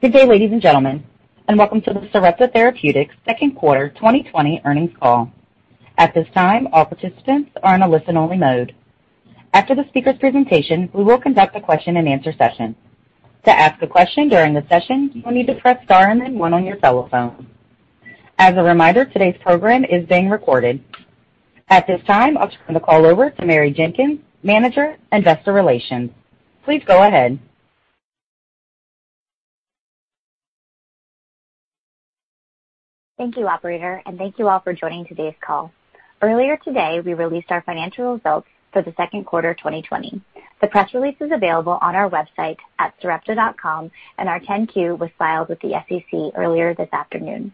Good day, ladies and gentlemen, and welcome to the Sarepta Therapeutics second quarter 2020 earnings call. At this time, all participants are in a listen-only mode. After the speaker's presentation, we will conduct a question and answer session. To ask a question during the session, you will need to press star and then one on your telephone. As a reminder, today's program is being recorded. At this time, I'll turn the call over to Mary Klem, Manager, Investor Relations. Please go ahead. Thank you, Operator, and thank you all for joining today's call. Earlier today, we released our financial results for the second quarter 2020. The press release is available on our website at sarepta.com, and our 10-Q was filed with the SEC earlier this afternoon.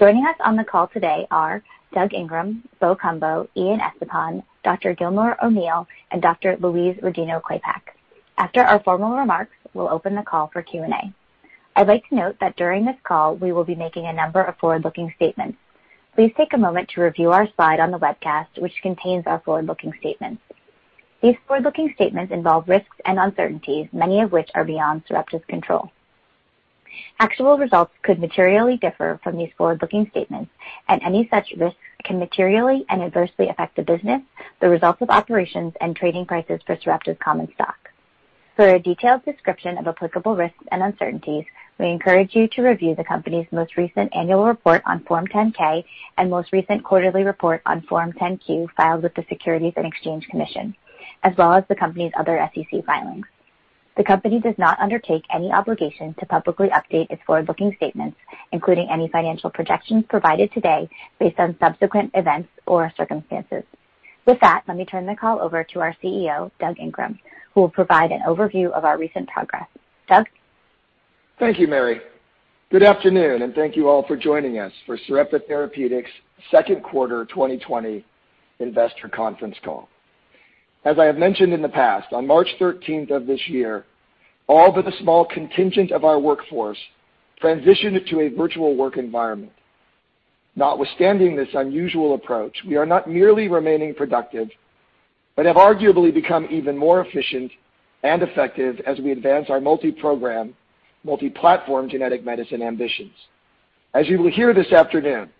Joining us on the call today are Doug Ingram, Bo Cumbo, Ian Estepan, Dr. Gilmore O'Neill, and Dr. Louise Rodino-Klapac. After our formal remarks, we'll open the call for Q&A. I'd like to note that during this call, we will be making a number of forward-looking statements. Please take a moment to review our slide on the webcast, which contains our forward-looking statements. These forward-looking statements involve risks and uncertainties, many of which are beyond Sarepta's control. Actual results could materially differ from these forward-looking statements, and any such risks can materially and adversely affect the business, the results of operations, and trading prices for Sarepta's common stock. For a detailed description of applicable risks and uncertainties, we encourage you to review the company's most recent annual report on Form 10-K and most recent quarterly report on Form 10-Q filed with the Securities and Exchange Commission, as well as the company's other SEC filings. The company does not undertake any obligation to publicly update its forward-looking statements, including any financial projections provided today, based on subsequent events or circumstances. With that, let me turn the call over to our Chief Executive Officer, Doug Ingram, who will provide an overview of our recent progress. Doug? Thank you, Mary. Good afternoon, thank you all for joining us for Sarepta Therapeutics' second quarter 2020 investor conference call. As I have mentioned in the past, on March 13th of this year, all but a small contingent of our workforce transitioned to a virtual work environment. Notwithstanding this unusual approach, we are not merely remaining productive, but have arguably become even more efficient and effective as we advance our multi-program, multi-platform genetic medicine ambitions. As you will hear this afternoon,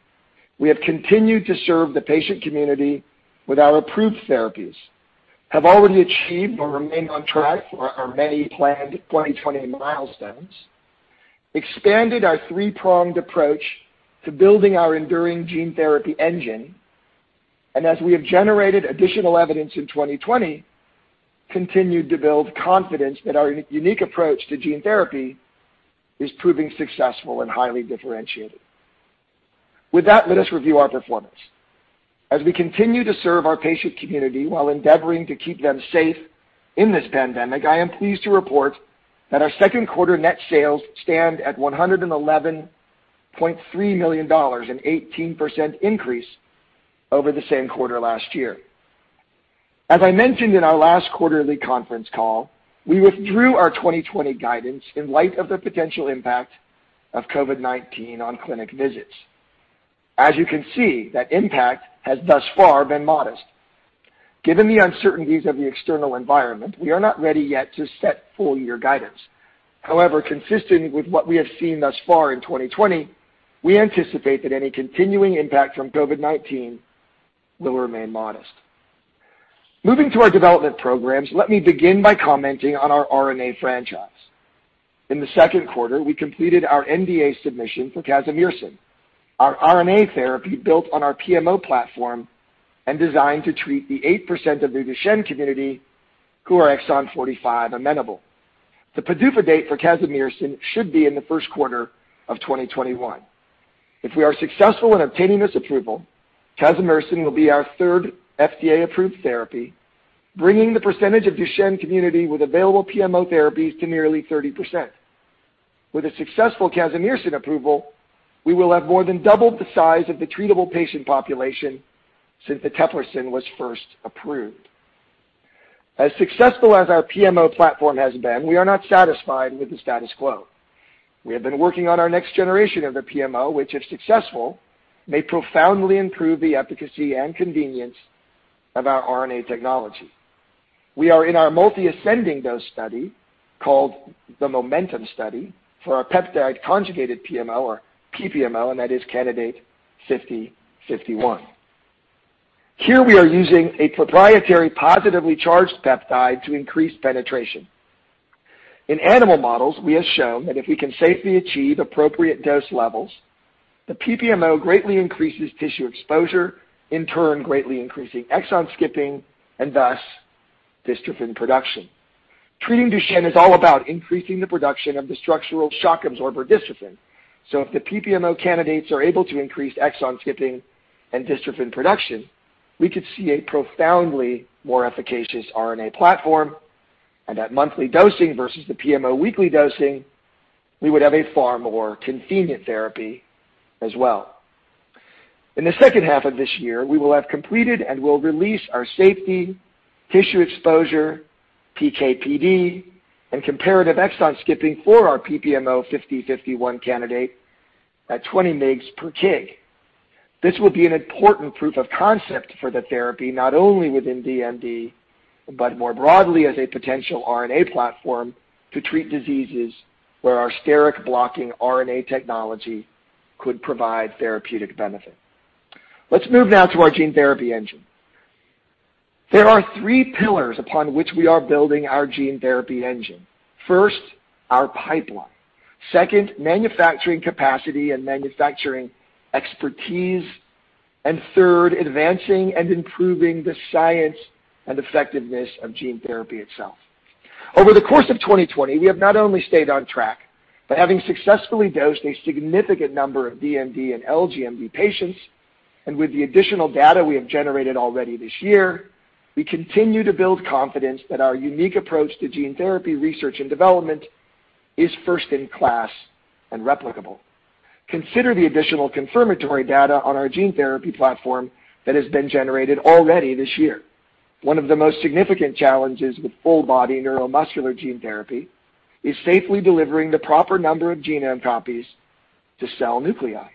we have continued to serve the patient community with our approved therapies, have already achieved or remain on track for our many planned 2020 milestones, expanded our three-pronged approach to building our enduring gene therapy engine, and as we have generated additional evidence in 2020, continued to build confidence that our unique approach to gene therapy is proving successful and highly differentiated. With that, let us review our performance. As we continue to serve our patient community while endeavoring to keep them safe in this pandemic, I am pleased to report that our second quarter net sales stand at $111.3 million, an 18% increase over the same quarter last year. As I mentioned in our last quarterly conference call, we withdrew our 2020 guidance in light of the potential impact of COVID-19 on clinic visits. As you can see, that impact has thus far been modest. Given the uncertainties of the external environment, we are not ready yet to set full-year guidance. Consistent with what we have seen thus far in 2020, we anticipate that any continuing impact from COVID-19 will remain modest. Moving to our development programs, let me begin by commenting on our RNA franchise. In the second quarter, we completed our NDA submission for casimersen, our RNA therapy built on our PMO platform and designed to treat the 8% of the Duchenne community who are exon 45 amenable. The PDUFA date for casimersen should be in the first quarter of 2021. If we are successful in obtaining this approval, casimersen will be our third FDA-approved therapy, bringing the percentage of Duchenne community with available PMO therapies to nearly 30%. With a successful casimersen approval, we will have more than doubled the size of the treatable patient population since eteplirsen was first approved. As successful as our PMO platform has been, we are not satisfied with the status quo. We have been working on our next generation of the PMO, which, if successful, may profoundly improve the efficacy and convenience of our RNA technology. We are in our multi-ascending dose study, called the MOMENTUM study, for our peptide conjugated PMO, or PPMO, and that is candidate 50-51. Here, we are using a proprietary positively charged peptide to increase penetration. In animal models, we have shown that if we can safely achieve appropriate dose levels, the PPMO greatly increases tissue exposure, in turn greatly increasing exon skipping and thus dystrophin production. Treating Duchenne is all about increasing the production of the structural shock absorber dystrophin. If the PPMO candidates are able to increase exon skipping and dystrophin production, we could see a profoundly more efficacious RNA platform, and at monthly dosing versus the PMO weekly dosing, we would have a far more convenient therapy as well. In the second half of this year, we will have completed and will release our safety, tissue exposure, PK/PD, and comparative exon skipping for our PPMO 50-51 candidate at 20 mg per kg. This will be an important proof of concept for the therapy, not only within DMD, but more broadly as a potential RNA platform to treat diseases where our steric blocking RNA technology could provide therapeutic benefit. Let's move now to our gene therapy engine. There are three pillars upon which we are building our gene therapy engine. First, our pipeline. Second, manufacturing capacity and manufacturing expertise. Third, advancing and improving the science and effectiveness of gene therapy itself. Over the course of 2020, we have not only stayed on track, but having successfully dosed a significant number of DMD and LGMD patients, and with the additional data we have generated already this year, we continue to build confidence that our unique approach to gene therapy research and development is first in class and replicable. Consider the additional confirmatory data on our gene therapy platform that has been generated already this year. One of the most significant challenges with full body neuromuscular gene therapy is safely delivering the proper number of genome copies to cell nuclei.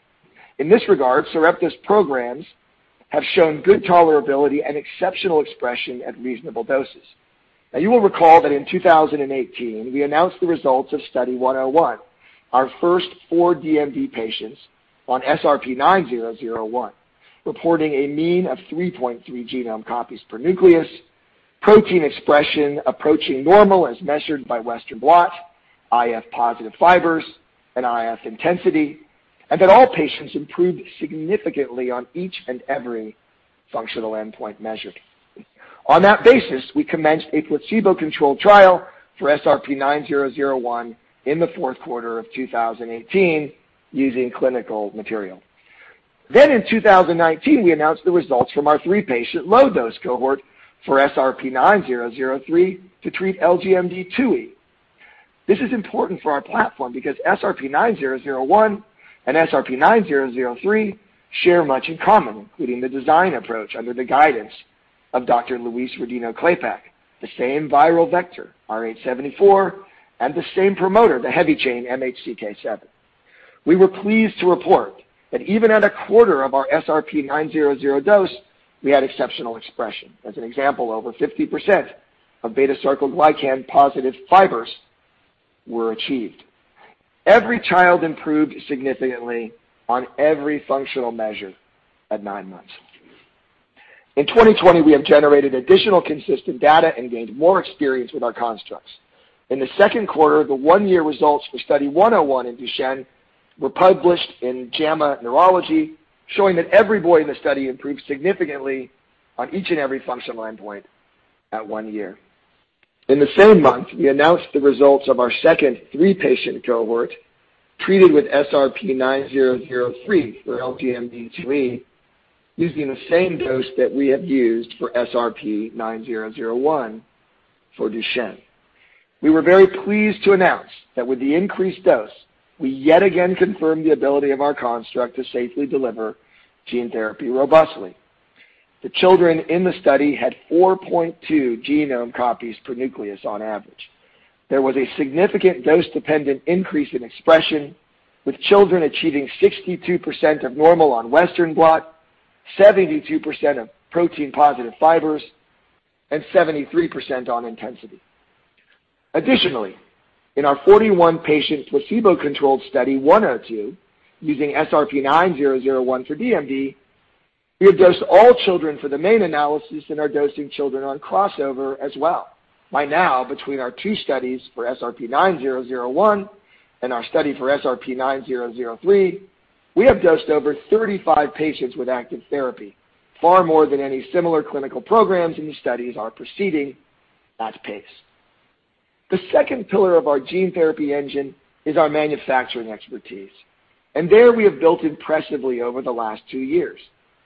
In this regard, Sarepta's programs have shown good tolerability and exceptional expression at reasonable doses. You will recall that in 2018, we announced the results of Study 101, our first four DMD patients on SRP-9001, reporting a mean of 3.3 genome copies per nucleus, protein expression approaching normal as measured by Western blot, IF positive fibers, and IF intensity, and that all patients improved significantly on each and every functional endpoint measured. On that basis, we commenced a placebo-controlled trial for SRP-9001 in the fourth quarter of 2018 using clinical material. In 2019, we announced the results from our three-patient low-dose cohort for SRP-9003 to treat LGMD2E. This is important for our platform because SRP-9001 and SRP-9003 share much in common, including the design approach under the guidance of Dr. Louise Rodino-Klapac, the same viral vector, rh74, and the same promoter, the heavy chain MHCK7. We were pleased to report that even at a quarter of our SRP-9001 dose, we had exceptional expression. As an example, over 50% of beta-sarcoglycan positive fibers were achieved. Every child improved significantly on every functional measure at nine months. In 2020, we have generated additional consistent data and gained more experience with our constructs. In the second quarter, the one-year results for Study 101 in Duchenne were published in JAMA Neurology, showing that every boy in the study improved significantly on each and every functional endpoint at one year. In the same month, we announced the results of our second three-patient cohort treated with SRP-9003 for LGMD2E using the same dose that we have used for SRP-9001 for Duchenne. We were very pleased to announce that with the increased dose, we yet again confirmed the ability of our construct to safely deliver gene therapy robustly. The children in the study had 4.2 genome copies per nucleus on average. There was a significant dose-dependent increase in expression, with children achieving 62% of normal on Western blot, 72% of protein positive fibers, and 73% on intensity. Additionally, in our 41-patient placebo-controlled Study 102, using SRP-9001 for DMD, we have dosed all children for the main analysis and are dosing children on crossover as well. By now, between our two studies for SRP-9001 and our study for SRP-9003, we have dosed over 35 patients with active therapy, far more than any similar clinical programs, and the studies are proceeding at pace. The second pillar of our gene therapy engine is our manufacturing expertise, and there we have built impressively over the last two years.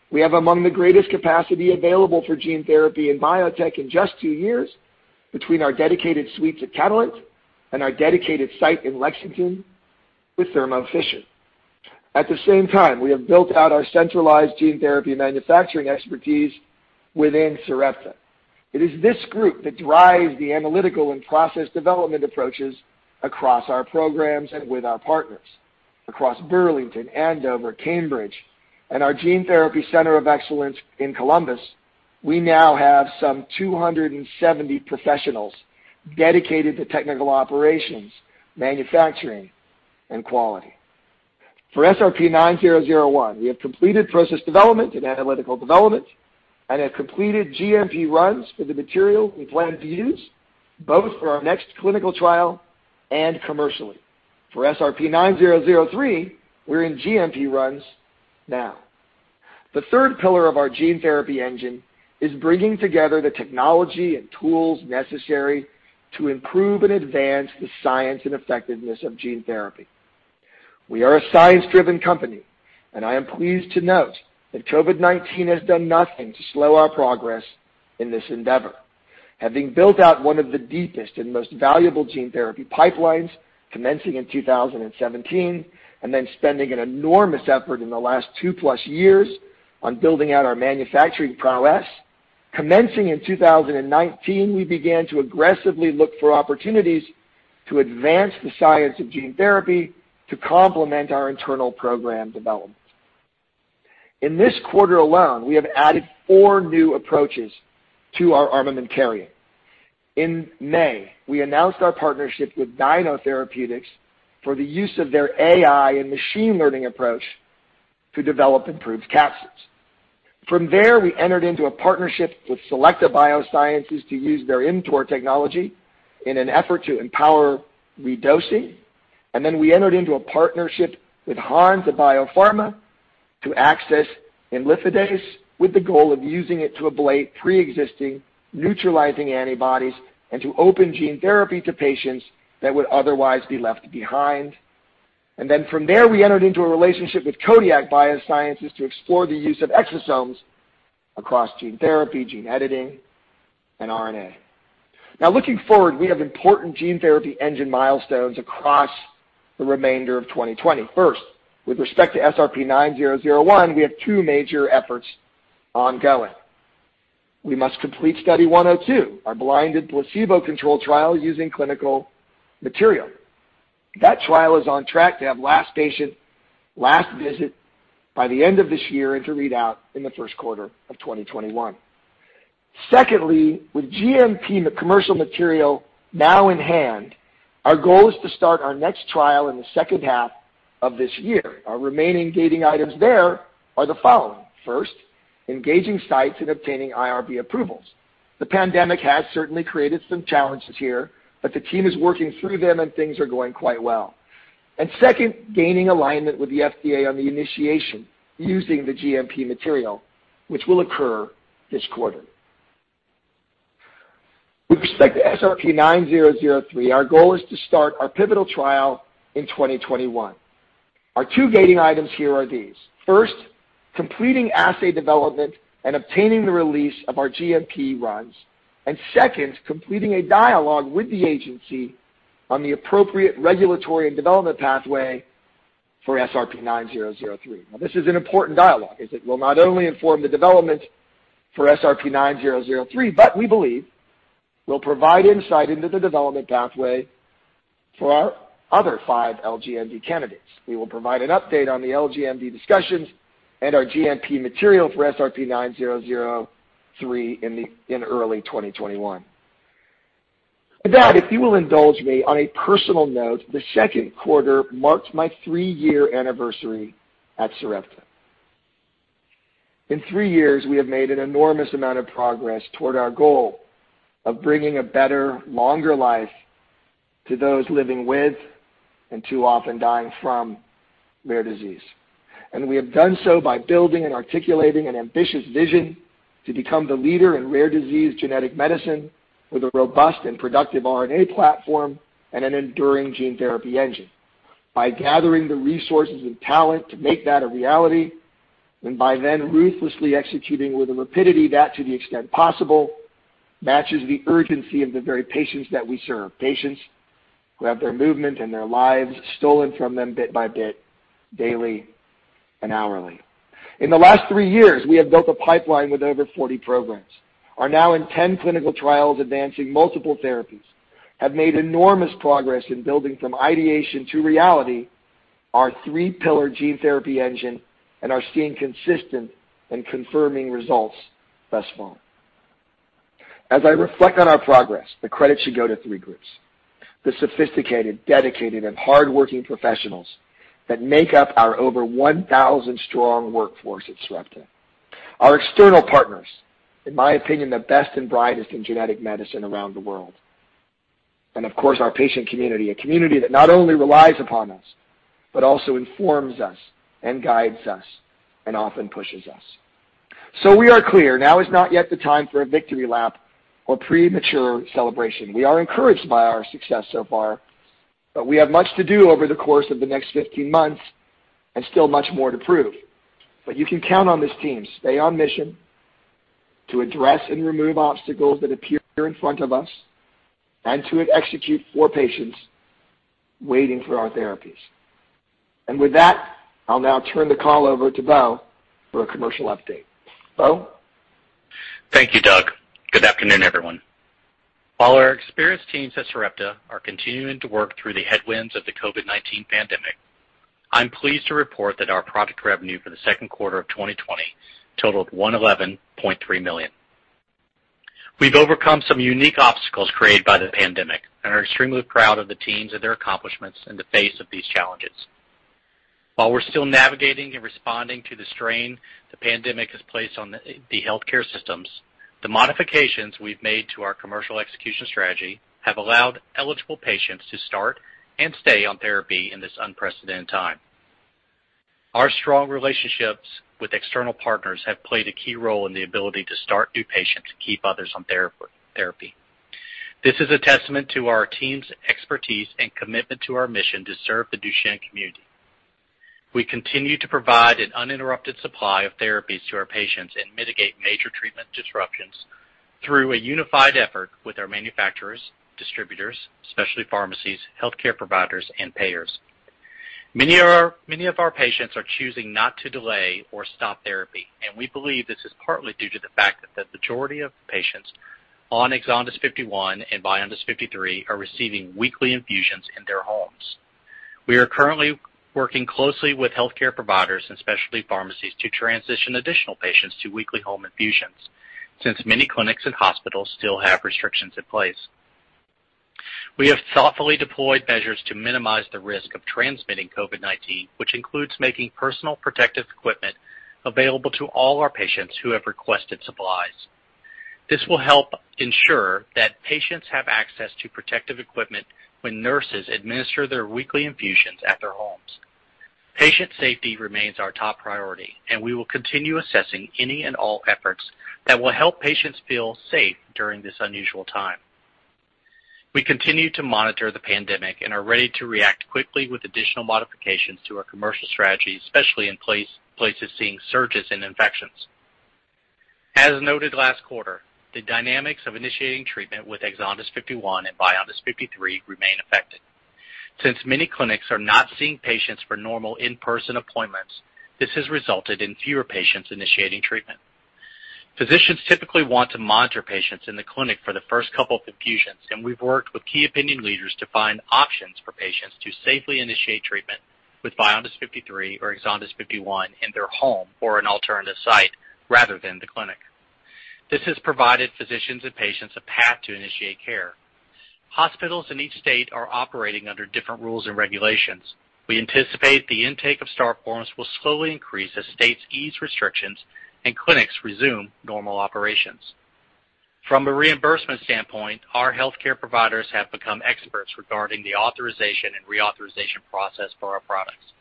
We have among the greatest capacity available for gene therapy in biotech in just two years between our dedicated suites at Catalent and our dedicated site in Lexington with Thermo Fisher. At the same time, we have built out our centralized gene therapy manufacturing expertise within Sarepta. It is this group that drives the analytical and process development approaches across our programs and with our partners. Across Burlington, Andover, Cambridge, and our Gene Therapy Center of Excellence in Columbus, we now have some 270 professionals dedicated to technical operations, manufacturing, and quality. For SRP-9001, we have completed process development and analytical development, and have completed GMP runs for the material we plan to use, both for our next clinical trial and commercially. For SRP-9003, we're in GMP runs now. The third pillar of our gene therapy engine is bringing together the technology and tools necessary to improve and advance the science and effectiveness of gene therapy. We are a science-driven company, and I am pleased to note that COVID-19 has done nothing to slow our progress in this endeavor. Having built out one of the deepest and most valuable gene therapy pipelines commencing in 2017, and then spending an enormous effort in the last two plus years on building out our manufacturing prowess. Commencing in 2019, we began to aggressively look for opportunities to advance the science of gene therapy to complement our internal program development. In this quarter alone, we have added four new approaches to our armamentarium. In May, we announced our partnership with Dyno Therapeutics for the use of their AI and machine learning approach to develop improved capsids. We entered into a partnership with Selecta Biosciences to use their ImmTOR technology in an effort to empower redosing. We entered into a partnership with Hansa Biopharma to access imlifidase with the goal of using it to ablate preexisting neutralizing antibodies and to open gene therapy to patients that would otherwise be left behind. From there, we entered into a relationship with Codiak BioSciences to explore the use of exosomes across gene therapy, gene editing, and RNA. Looking forward, we have important gene therapy engine milestones across the remainder of 2020. With respect to SRP-9001, we have two major efforts ongoing. We must complete Study 102, our blinded placebo-controlled trial using clinical material. That trial is on track to have last patient, last visit by the end of this year, and to read out in the first quarter of 2021. Secondly, with GMP commercial material now in hand, our goal is to start our next trial in the second half of this year. Our remaining gating items there are the following. First, engaging sites and obtaining IRB approvals. The pandemic has certainly created some challenges here, but the team is working through them, and things are going quite well. Second, gaining alignment with the FDA on the initiation using the GMP material, which will occur this quarter. With respect to SRP-9003, our goal is to start our pivotal trial in 2021. Our two gating items here are these. First, completing assay development and obtaining the release of our GMP runs, and second, completing a dialogue with the agency on the appropriate regulatory and development pathway for SRP-9003. This is an important dialogue as it will not only inform the development for SRP-9003, but we believe will provide insight into the development pathway for our other five LGMD candidates. We will provide an update on the LGMD discussions and our GMP material for SRP-9003 in early 2021. With that, if you will indulge me on a personal note, the second quarter marked my three-year anniversary at Sarepta. In three years, we have made an enormous amount of progress toward our goal of bringing a better, longer life to those living with, and too often dying from, rare disease. We have done so by building and articulating an ambitious vision to become the leader in rare disease genetic medicine with a robust and productive RNA platform and an enduring gene therapy engine by gathering the resources and talent to make that a reality, and by then ruthlessly executing with a rapidity that, to the extent possible, matches the urgency of the very patients that we serve, patients who have their movement and their lives stolen from them bit by bit, daily and hourly. In the last three years, we have built a pipeline with over 40 programs, are now in 10 clinical trials advancing multiple therapies, have made enormous progress in building from ideation to reality our three-pillar gene therapy engine, and are seeing consistent and confirming results thus far. As I reflect on our progress, the credit should go to three groups, the sophisticated, dedicated, and hardworking professionals that make up our over 1,000-strong workforce at Sarepta, our external partners, in my opinion, the best and brightest in genetic medicine around the world, and of course, our patient community, a community that not only relies upon us, but also informs us and guides us and often pushes us. We are clear. Now is not yet the time for a victory lap or premature celebration. We are encouraged by our success so far, but we have much to do over the course of the next 15 months and still much more to prove. You can count on this team to stay on mission, to address and remove obstacles that appear in front of us, and to execute for patients waiting for our therapies. With that, I'll now turn the call over to Bo for a commercial update. Bo? Thank you, Doug. Good afternoon, everyone. While our experienced teams at Sarepta are continuing to work through the headwinds of the COVID-19 pandemic, I'm pleased to report that our product revenue for the second quarter of 2020 totaled $111.3 million. We've overcome some unique obstacles created by the pandemic and are extremely proud of the teams and their accomplishments in the face of these challenges. While we're still navigating and responding to the strain the pandemic has placed on the healthcare systems, the modifications we've made to our commercial execution strategy have allowed eligible patients to start and stay on therapy in this unprecedented time. Our strong relationships with external partners have played a key role in the ability to start new patients and keep others on therapy. This is a testament to our team's expertise and commitment to our mission to serve the Duchenne community. We continue to provide an uninterrupted supply of therapies to our patients and mitigate major treatment disruptions through a unified effort with our manufacturers, distributors, specialty pharmacies, healthcare providers, and payers. Many of our patients are choosing not to delay or stop therapy, and we believe this is partly due to the fact that the majority of patients on EXONDYS 51 and VYONDYS 53 are receiving weekly infusions in their homes. We are currently working closely with healthcare providers and specialty pharmacies to transition additional patients to weekly home infusions, since many clinics and hospitals still have restrictions in place. We have thoughtfully deployed measures to minimize the risk of transmitting COVID-19, which includes making personal protective equipment available to all our patients who have requested supplies. This will help ensure that patients have access to protective equipment when nurses administer their weekly infusions at their homes. Patient safety remains our top priority, and we will continue assessing any and all efforts that will help patients feel safe during this unusual time. We continue to monitor the pandemic and are ready to react quickly with additional modifications to our commercial strategy, especially in places seeing surges in infections. As noted last quarter, the dynamics of initiating treatment with EXONDYS 51 and VYONDYS 53 remain affected. Since many clinics are not seeing patients for normal in-person appointments, this has resulted in fewer patients initiating treatment. Physicians typically want to monitor patients in the clinic for the first couple of infusions, and we've worked with key opinion leaders to find options for patients to safely initiate treatment with VYONDYS 53 or EXONDYS 51 in their home or an alternative site, rather than the clinic. This has provided physicians and patients a path to initiate care. Hospitals in each state are operating under different rules and regulations. We anticipate the intake of start forms will slowly increase as states ease restrictions and clinics resume normal operations. From a reimbursement standpoint, our healthcare providers have become experts regarding the authorization and reauthorization process for our products.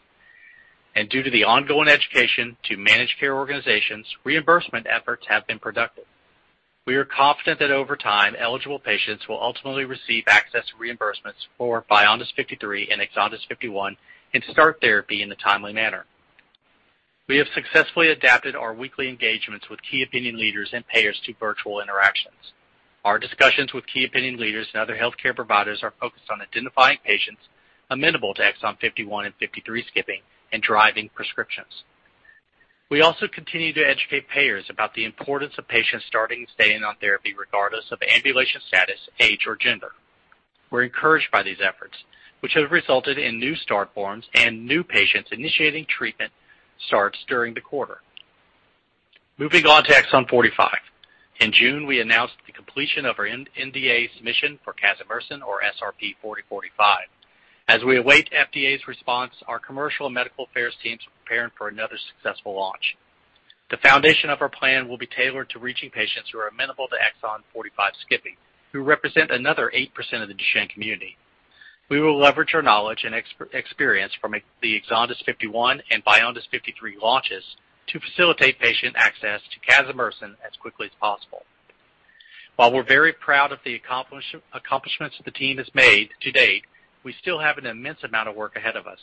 Due to the ongoing education to managed care organizations, reimbursement efforts have been productive. We are confident that over time, eligible patients will ultimately receive access to reimbursements for VYONDYS 53 and EXONDYS 51 and start therapy in a timely manner. We have successfully adapted our weekly engagements with key opinion leaders and payers to virtual interactions. Our discussions with key opinion leaders and other healthcare providers are focused on identifying patients amenable to exon 51 and 53 skipping and driving prescriptions. We also continue to educate payers about the importance of patients starting and staying on therapy regardless of ambulation status, age, or gender. We're encouraged by these efforts, which have resulted in new start forms and new patients initiating treatment starts during the quarter. Moving on to exon 45. In June, we announced the completion of our NDA submission for casimersen or SRP-4045. As we await FDA's response, our commercial and medical affairs teams are preparing for another successful launch. The foundation of our plan will be tailored to reaching patients who are amenable to exon 45 skipping, who represent another 8% of the Duchenne community. We will leverage our knowledge and experience from the EXONDYS 51 and VYONDYS 53 launches to facilitate patient access to casimersen as quickly as possible. While we're very proud of the accomplishments the team has made to date, we still have an immense amount of work ahead of us.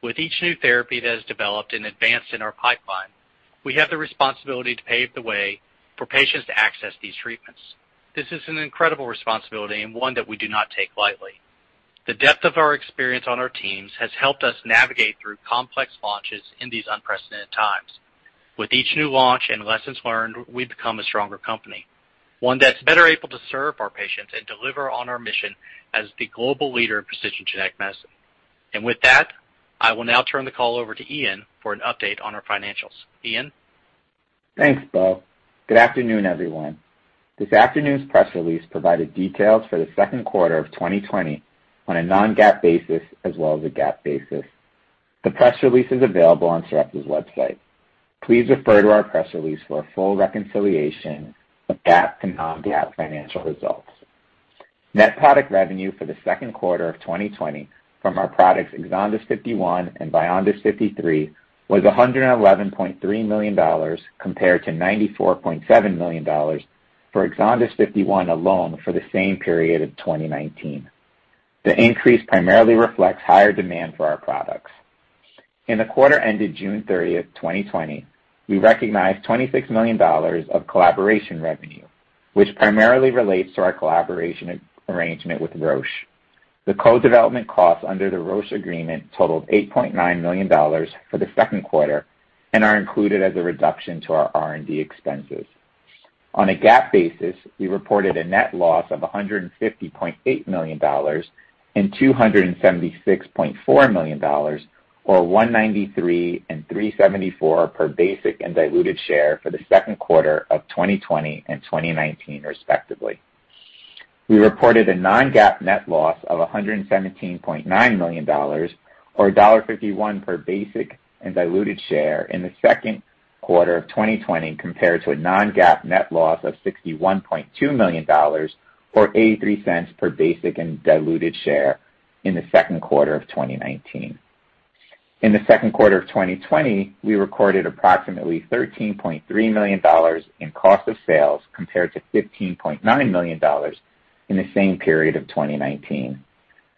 With each new therapy that is developed and advanced in our pipeline, we have the responsibility to pave the way for patients to access these treatments. This is an incredible responsibility and one that we do not take lightly. The depth of our experience on our teams has helped us navigate through complex launches in these unprecedented times. With each new launch and lessons learned, we become a stronger company, one that's better able to serve our patients and deliver on our mission as the global leader in precision genetic medicine. With that, I will now turn the call over to Ian for an update on our financials. Ian? Thanks, Bo. Good afternoon, everyone. This afternoon's press release provided details for the second quarter of 2020 on a non-GAAP basis as well as a GAAP basis. The press release is available on Sarepta's website. Please refer to our press release for a full reconciliation of GAAP to non-GAAP financial results. Net product revenue for the second quarter of 2020 from our products EXONDYS 51 and VYONDYS 53 was $111.3 million compared to $94.7 million for EXONDYS 51 alone for the same period of 2019. The increase primarily reflects higher demand for our products. In the quarter ended June 30, 2020, we recognized $26 million of collaboration revenue, which primarily relates to our collaboration arrangement with Roche. The co-development costs under the Roche agreement totaled $8.9 million for the second quarter and are included as a reduction to our R&D expenses. On a GAAP basis, we reported a net loss of $150.8 million and $276.4 million, or $1.93 and $3.74 per basic and diluted share for the second quarter of 2020 and 2019 respectively. We reported a non-GAAP net loss of $117.9 million or $1.51 per basic and diluted share in the second quarter of 2020 compared to a non-GAAP net loss of $61.2 million or $0.83 per basic and diluted share in the second quarter of 2019. In the second quarter of 2020, we recorded approximately $13.3 million in cost of sales compared to $15.9 million in the same period of 2019.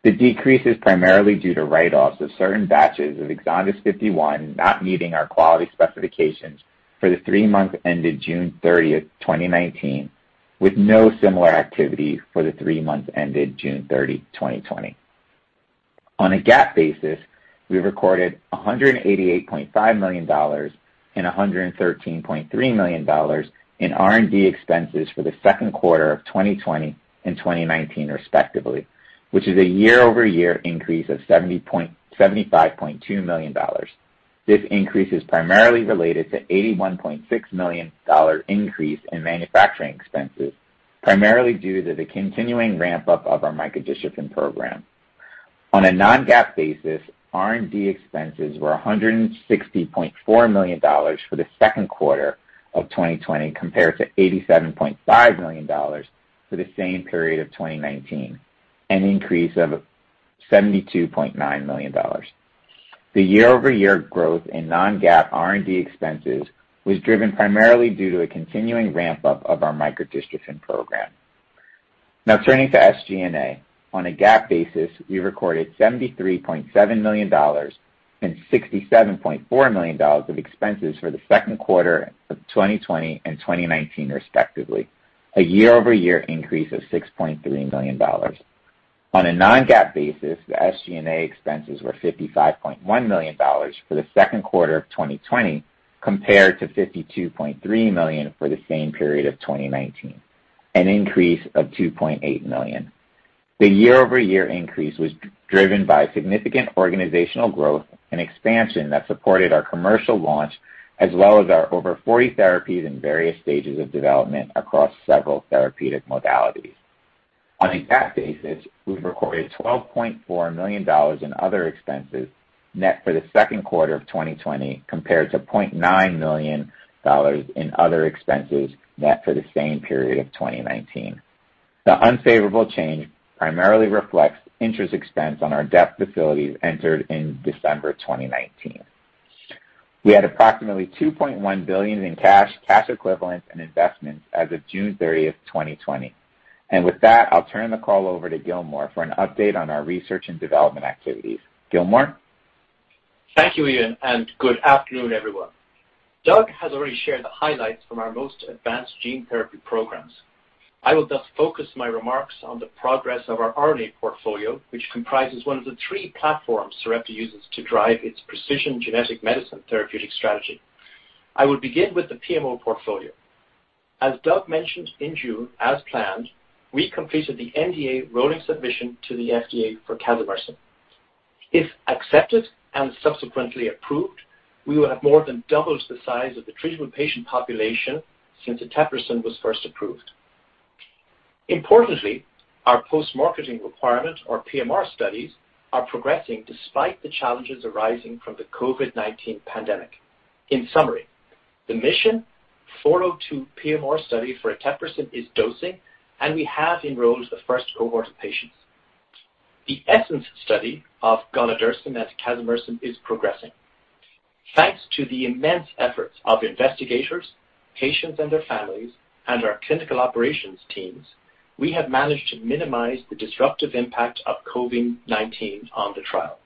The decrease is primarily due to write-offs of certain batches of EXONDYS 51 not meeting our quality specifications for the three months ended June 30, 2019 with no similar activity for the three months ended June 30, 2020. On a GAAP basis, we recorded $188.5 million and $113.3 million in R&D expenses for the second quarter of 2020 and 2019 respectively, which is a YoY increase of $75.2 million. This increase is primarily related to $81.6 million increase in manufacturing expenses, primarily due to the continuing ramp-up of our micro-dystrophin program. On a non-GAAP basis, R&D expenses were $160.4 million for the second quarter of 2020 compared to $87.5 million for the same period of 2019, an increase of $72.9 million. The YoY growth in non-GAAP R&D expenses was driven primarily due to a continuing ramp-up of our micro-dystrophin program. Now turning to SG&A. On a GAAP basis, we recorded $73.7 million and $67.4 million of expenses for the second quarter of 2020 and 2019 respectively, a YoY increase of $6.3 million. On a non-GAAP basis, the SG&A expenses were $55.1 million for the second quarter of 2020 compared to $52.3 million for the same period of 2019, an increase of $2.8 million. The YoY increase was driven by significant organizational growth and expansion that supported our commercial launch as well as our over 40 therapies in various stages of development across several therapeutic modalities. On a GAAP basis, we've recorded $12.4 million in other expenses net for the second quarter of 2020 compared to $0.9 million in other expenses net for the same period of 2019. The unfavorable change primarily reflects interest expense on our debt facilities entered in December 2019. We had approximately $2.1 billion in cash equivalents, and investments as of June 30th, 2020. With that, I'll turn the call over to Gilmore for an update on our research and development activities. Gilmore? Thank you, Ian, and good afternoon, everyone. Doug has already shared the highlights from our most advanced gene therapy programs. I will thus focus my remarks on the progress of our RNA portfolio, which comprises one of the three platforms Sarepta uses to drive its precision genetic medicine therapeutic strategy. I will begin with the PMO portfolio. As Doug mentioned in June, as planned, we completed the NDA rolling submission to the FDA for casimersen. If accepted and subsequently approved, we will have more than doubled the size of the treatment patient population since eteplirsen was first approved. Importantly, our post-marketing requirement or PMR studies are progressing despite the challenges arising from the COVID-19 pandemic. In summary, the MIS51ON PMR study for eteplirsen is dosing, and we have enrolled the first cohort of patients. The ESSENCE study of golodirsen and casimersen is progressing. Thanks to the immense efforts of investigators, patients and their families, and our clinical operations teams, we have managed to minimize the disruptive impact of COVID-19 on the trial.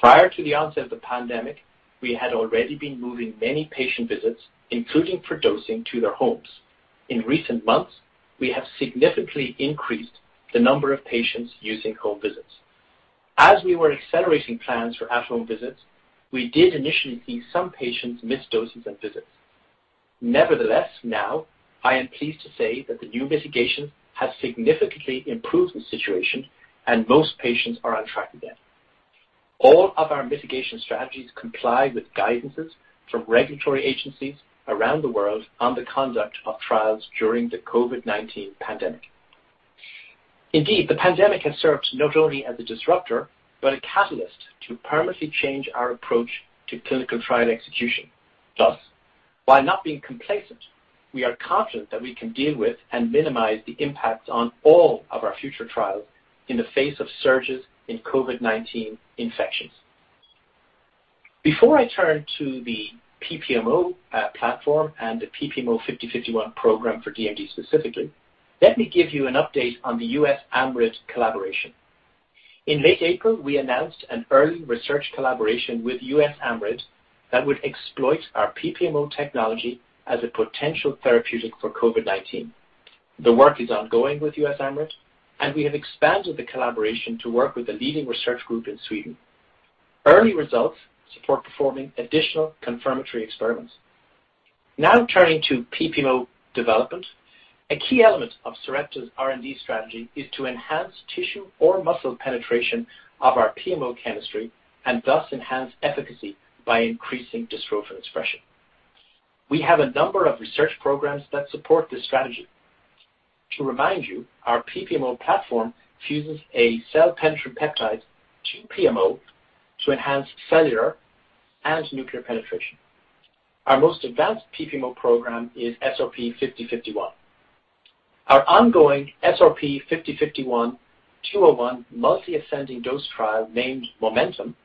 Prior to the onset of the pandemic, we had already been moving many patient visits, including for dosing, to their homes. In recent months, we have significantly increased the number of patients using home visits. As we were accelerating plans for at-home visits, we did initially see some patients miss doses and visits. Nevertheless, now I am pleased to say that the new mitigation has significantly improved the situation, and most patients are on track again. All of our mitigation strategies comply with guidances from regulatory agencies around the world on the conduct of trials during the COVID-19 pandemic. Indeed, the pandemic has served not only as a disruptor, but a catalyst to permanently change our approach to clinical trial execution. While not being complacent, we are confident that we can deal with and minimize the impacts on all of our future trials in the face of surges in COVID-19 infections. Before I turn to the PPMO platform and the PPMO-5051 program for DMD specifically, let me give you an update on the USAMRIID collaboration. In late April, we announced an early research collaboration with USAMRIID that would exploit our PPMO technology as a potential therapeutic for COVID-19. The work is ongoing with USAMRIID. We have expanded the collaboration to work with a leading research group in Sweden. Early results support performing additional confirmatory experiments. Turning to PPMO development. A key element of Sarepta's R&D strategy is to enhance tissue or muscle penetration of our PMO chemistry and thus enhance efficacy by increasing dystrophin expression. We have a number of research programs that support this strategy. To remind you, our PPMO platform fuses a cell-penetrating peptide to PMO to enhance cellular and nuclear penetration. Our most advanced PPMO program is SRP-5051. Our ongoing SRP-5051 201 multi-ascending dose trial, named MOMENTUM,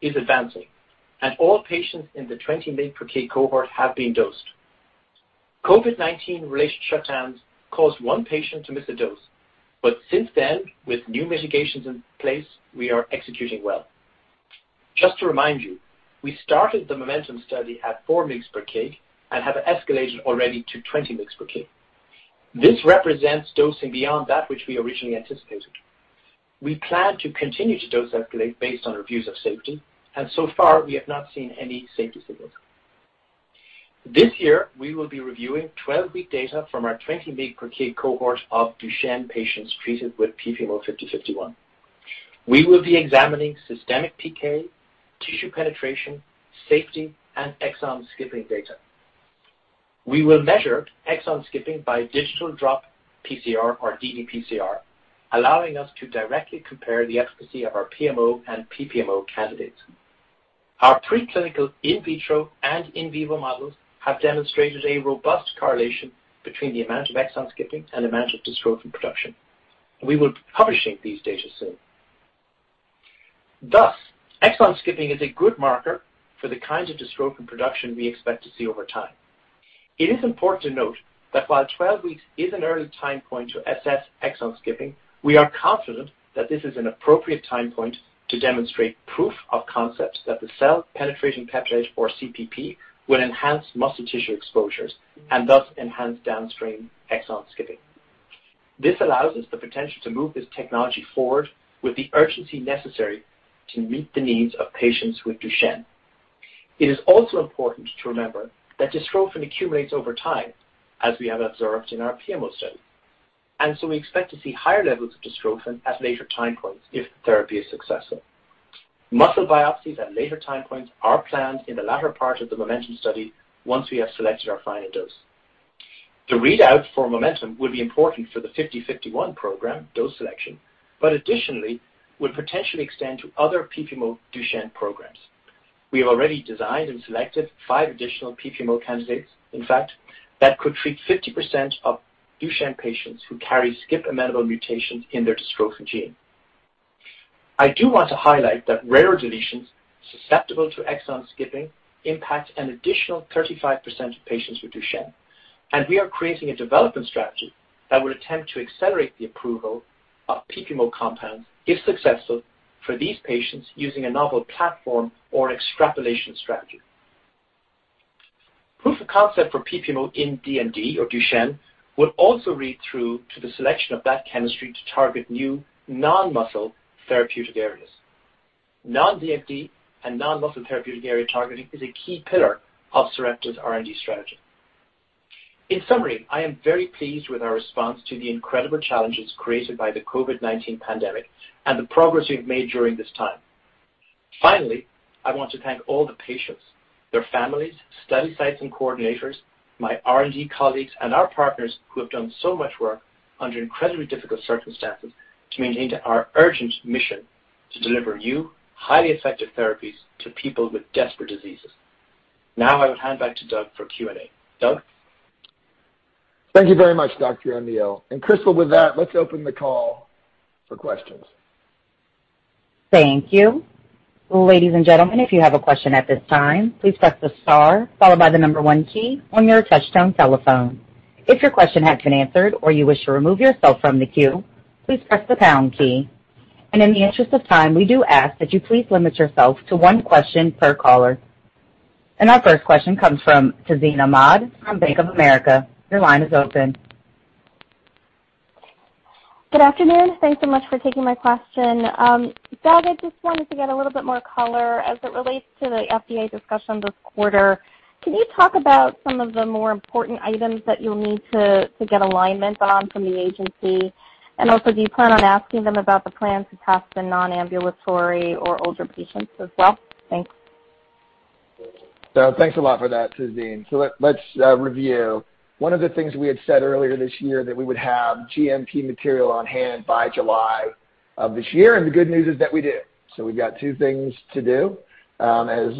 is advancing, and all patients in the 20 mg per kg cohort have been dosed. COVID-19-related shutdowns caused one patient to miss a dose, but since then, with new mitigations in place, we are executing well. Just to remind you, we started the MOMENTUM study at 4 mg per kg and have escalated already to 20 mg per kg. This represents dosing beyond that which we originally anticipated. We plan to continue to dose escalate based on reviews of safety, and so far, we have not seen any safety signals. This year, we will be reviewing 12-week data from our 20 mg per kg cohort of Duchenne patients treated with PPMO-5051. We will be examining systemic PK, tissue penetration, safety, and exon skipping data. We will measure exon skipping by digital drop PCR or ddPCR, allowing us to directly compare the efficacy of our PMO and PPMO candidates. Our pre-clinical in vitro and in vivo models have demonstrated a robust correlation between the amount of exon skipping and amount of dystrophin production. We will be publishing these data soon. Thus, exon skipping is a good marker for the kinds of dystrophin production we expect to see over time. It is important to note that while 12 weeks is an early time point to assess exon skipping, we are confident that this is an appropriate time point to demonstrate proof of concept that the cell-penetrating peptide, or CPP, will enhance muscle tissue exposures and thus enhance downstream exon skipping. This allows us the potential to move this technology forward with the urgency necessary to meet the needs of patients with Duchenne. It is also important to remember that dystrophin accumulates over time, as we have observed in our PMO study. So we expect to see higher levels of dystrophin at later time points if the therapy is successful. Muscle biopsies at later time points are planned in the latter part of the MOMENTUM study, once we have selected our final dose. The readout for MOMENTUM will be important for the 5051 program dose selection, additionally, will potentially extend to other PPMO Duchenne programs. We have already designed and selected five additional PPMO candidates, in fact, that could treat 50% of Duchenne patients who carry skip-amenable mutations in their dystrophin gene. I do want to highlight that rarer deletions susceptible to exon skipping impact an additional 35% of patients with Duchenne, and we are creating a development strategy that would attempt to accelerate the approval of PPMO compounds if successful for these patients using a novel platform or an extrapolation strategy. Proof of concept for PPMO in DMD, or Duchenne, would also read through to the selection of that chemistry to target new non-muscle therapeutic areas. Non-DMD and non-muscle therapeutic area targeting is a key pillar of Sarepta's R&D strategy. In summary, I am very pleased with our response to the incredible challenges created by the COVID-19 pandemic and the progress we've made during this time. Finally, I want to thank all the patients, their families, study sites and coordinators, my R&D colleagues, and our partners who have done so much work under incredibly difficult circumstances to maintain our urgent mission to deliver new, highly effective therapies to people with desperate diseases. Now I will hand back to Doug for Q&A. Doug? Thank you very much, Dr. O'Neill. Crystal, with that, let's open the call for questions. Thank you. Ladies and gentlemen, if you have a question at this time, please press the star followed by the number one key on your touchtone telephone. If your question has been answered or you wish to remove yourself from the queue, please press the pound key. In the interest of time, we do ask that you please limit yourself to one question per caller. Our first question comes from Tazeen Ahmad from Bank of America. Your line is open. Good afternoon. Thanks so much for taking my question. Doug, I just wanted to get a little bit more color as it relates to the FDA discussion this quarter. Can you talk about some of the more important items that you'll need to get alignment on from the agency? Also, do you plan on asking them about the plan to test the non-ambulatory or older patients as well? Thanks. Thanks a lot for that, Tazeen. Let's review. One of the things we had said earlier this year that we would have GMP material on hand by July of this year, and the good news is that we do. We've got two things to do. As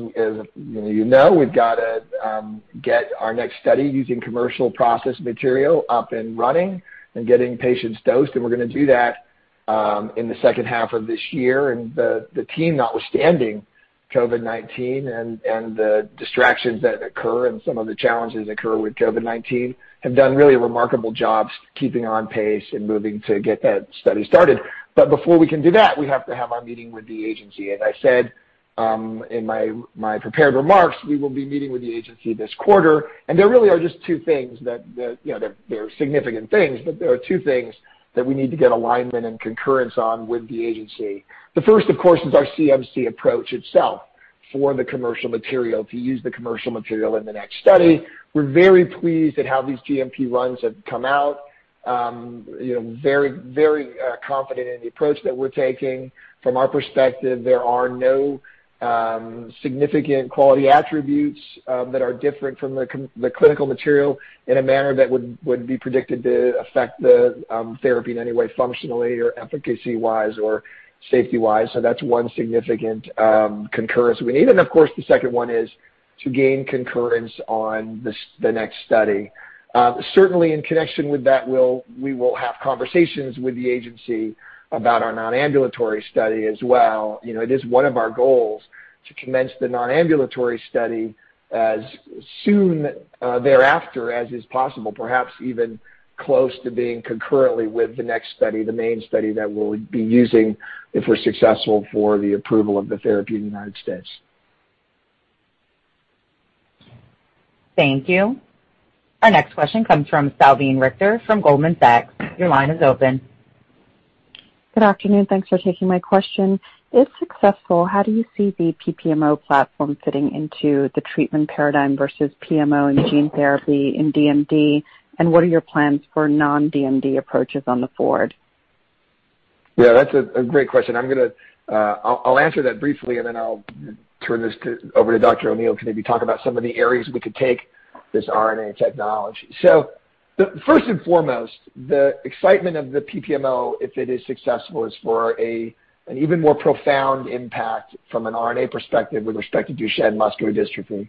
many of you know, we've got to get our next study using commercial process material up and running and getting patients dosed, and we're going to do that in the second half of this year. The team, notwithstanding COVID-19 and the distractions that occur and some of the challenges occur with COVID-19, have done really remarkable jobs keeping on pace and moving to get that study started. Before we can do that, we have to have our meeting with the agency. As I said in my prepared remarks, we will be meeting with the agency this quarter, there really are just two things that, they're significant things, but there are two things that we need to get alignment and concurrence on with the agency. The first, of course, is our CMC approach itself for the commercial material, to use the commercial material in the next study. We're very pleased at how these GMP runs have come out. Very confident in the approach that we're taking. From our perspective, there are no significant quality attributes that are different from the clinical material in a manner that would be predicted to affect the therapy in any way functionally or efficacy-wise or safety-wise. That's one significant concurrence we need. Of course, the second one is to gain concurrence on the next study. Certainly, in connection with that, we will have conversations with the agency about our non-ambulatory study as well. It is one of our goals to commence the non-ambulatory study as soon thereafter as is possible, perhaps even close to being concurrently with the next study, the main study that we'll be using if we're successful for the approval of the therapy in the United States. Thank you. Our next question comes from Salveen Richter from Goldman Sachs. Your line is open. Good afternoon. Thanks for taking my question. If successful, how do you see the PPMO platform fitting into the treatment paradigm versus PMO and gene therapy in DMD, and what are your plans for non-DMD approaches on the forward? Yeah, that's a great question. I'll answer that briefly, and then I'll turn this over to Dr. O'Neill to maybe talk about some of the areas we could take this RNA technology. First and foremost, the excitement of the PPMO, if it is successful, is for an even more profound impact from an RNA perspective with respect to Duchenne muscular dystrophy.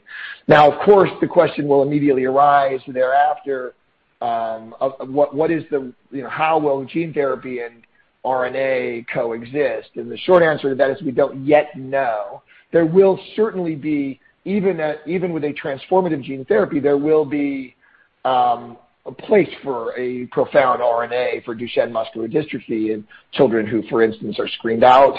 Of course, the question will immediately arise thereafter of how will gene therapy and RNA coexist, and the short answer to that is we don't yet know. There will certainly be, even with a transformative gene therapy, there will be a place for a profound RNA for Duchenne muscular dystrophy in children who, for instance, are screened out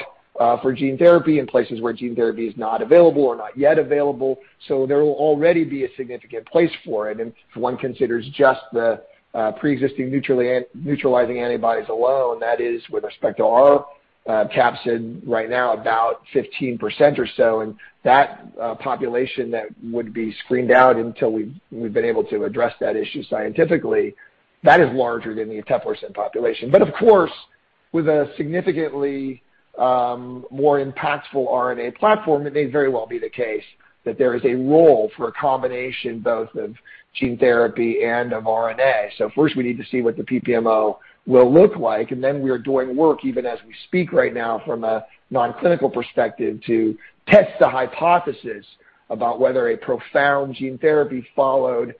for gene therapy, in places where gene therapy is not available or not yet available. There will already be a significant place for it, and if one considers just the preexisting neutralizing antibodies alone, that is with respect to our capsid right now, about 15% or so, and that population that would be screened out until we've been able to address that issue scientifically, that is larger than the eteplirsen population. Of course, with a significantly more impactful RNA platform, it may very well be the case that there is a role for a combination both of gene therapy and of RNA. First we need to see what the PPMO will look like, and then we are doing work, even as we speak right now, from a non-clinical perspective, to test the hypothesis about whether a profound gene therapy followed,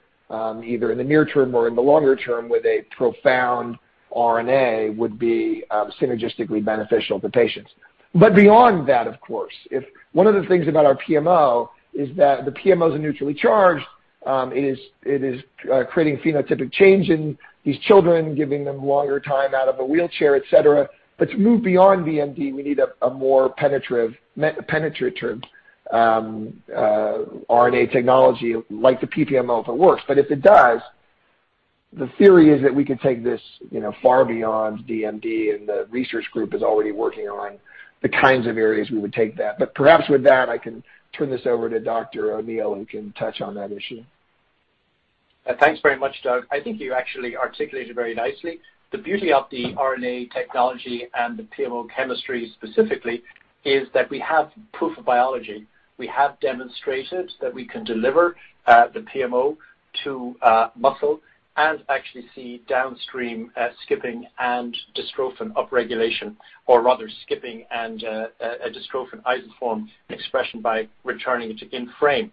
either in the near term or in the longer term, with a profound RNA would be synergistically beneficial to patients. Beyond that, of course, one of the things about our PMO is that the PMOs are neutrally charged. It is creating phenotypic change in these children, giving them longer time out of a wheelchair, et cetera. To move beyond DMD, we need a more penetrative RNA technology like the PPMO, if it works. If it does, the theory is that we can take this far beyond DMD, and the research group is already working on the kinds of areas we would take that. Perhaps with that, I can turn this over to Dr. O'Neill, who can touch on that issue. Thanks very much, Doug. I think you actually articulated very nicely. The beauty of the RNA technology and the PMO chemistry specifically is that we have proof of biology. We have demonstrated that we can deliver the PMO to muscle and actually see downstream skipping and dystrophin upregulation, or rather skipping and a dystrophin isoform expression by returning it to in frame.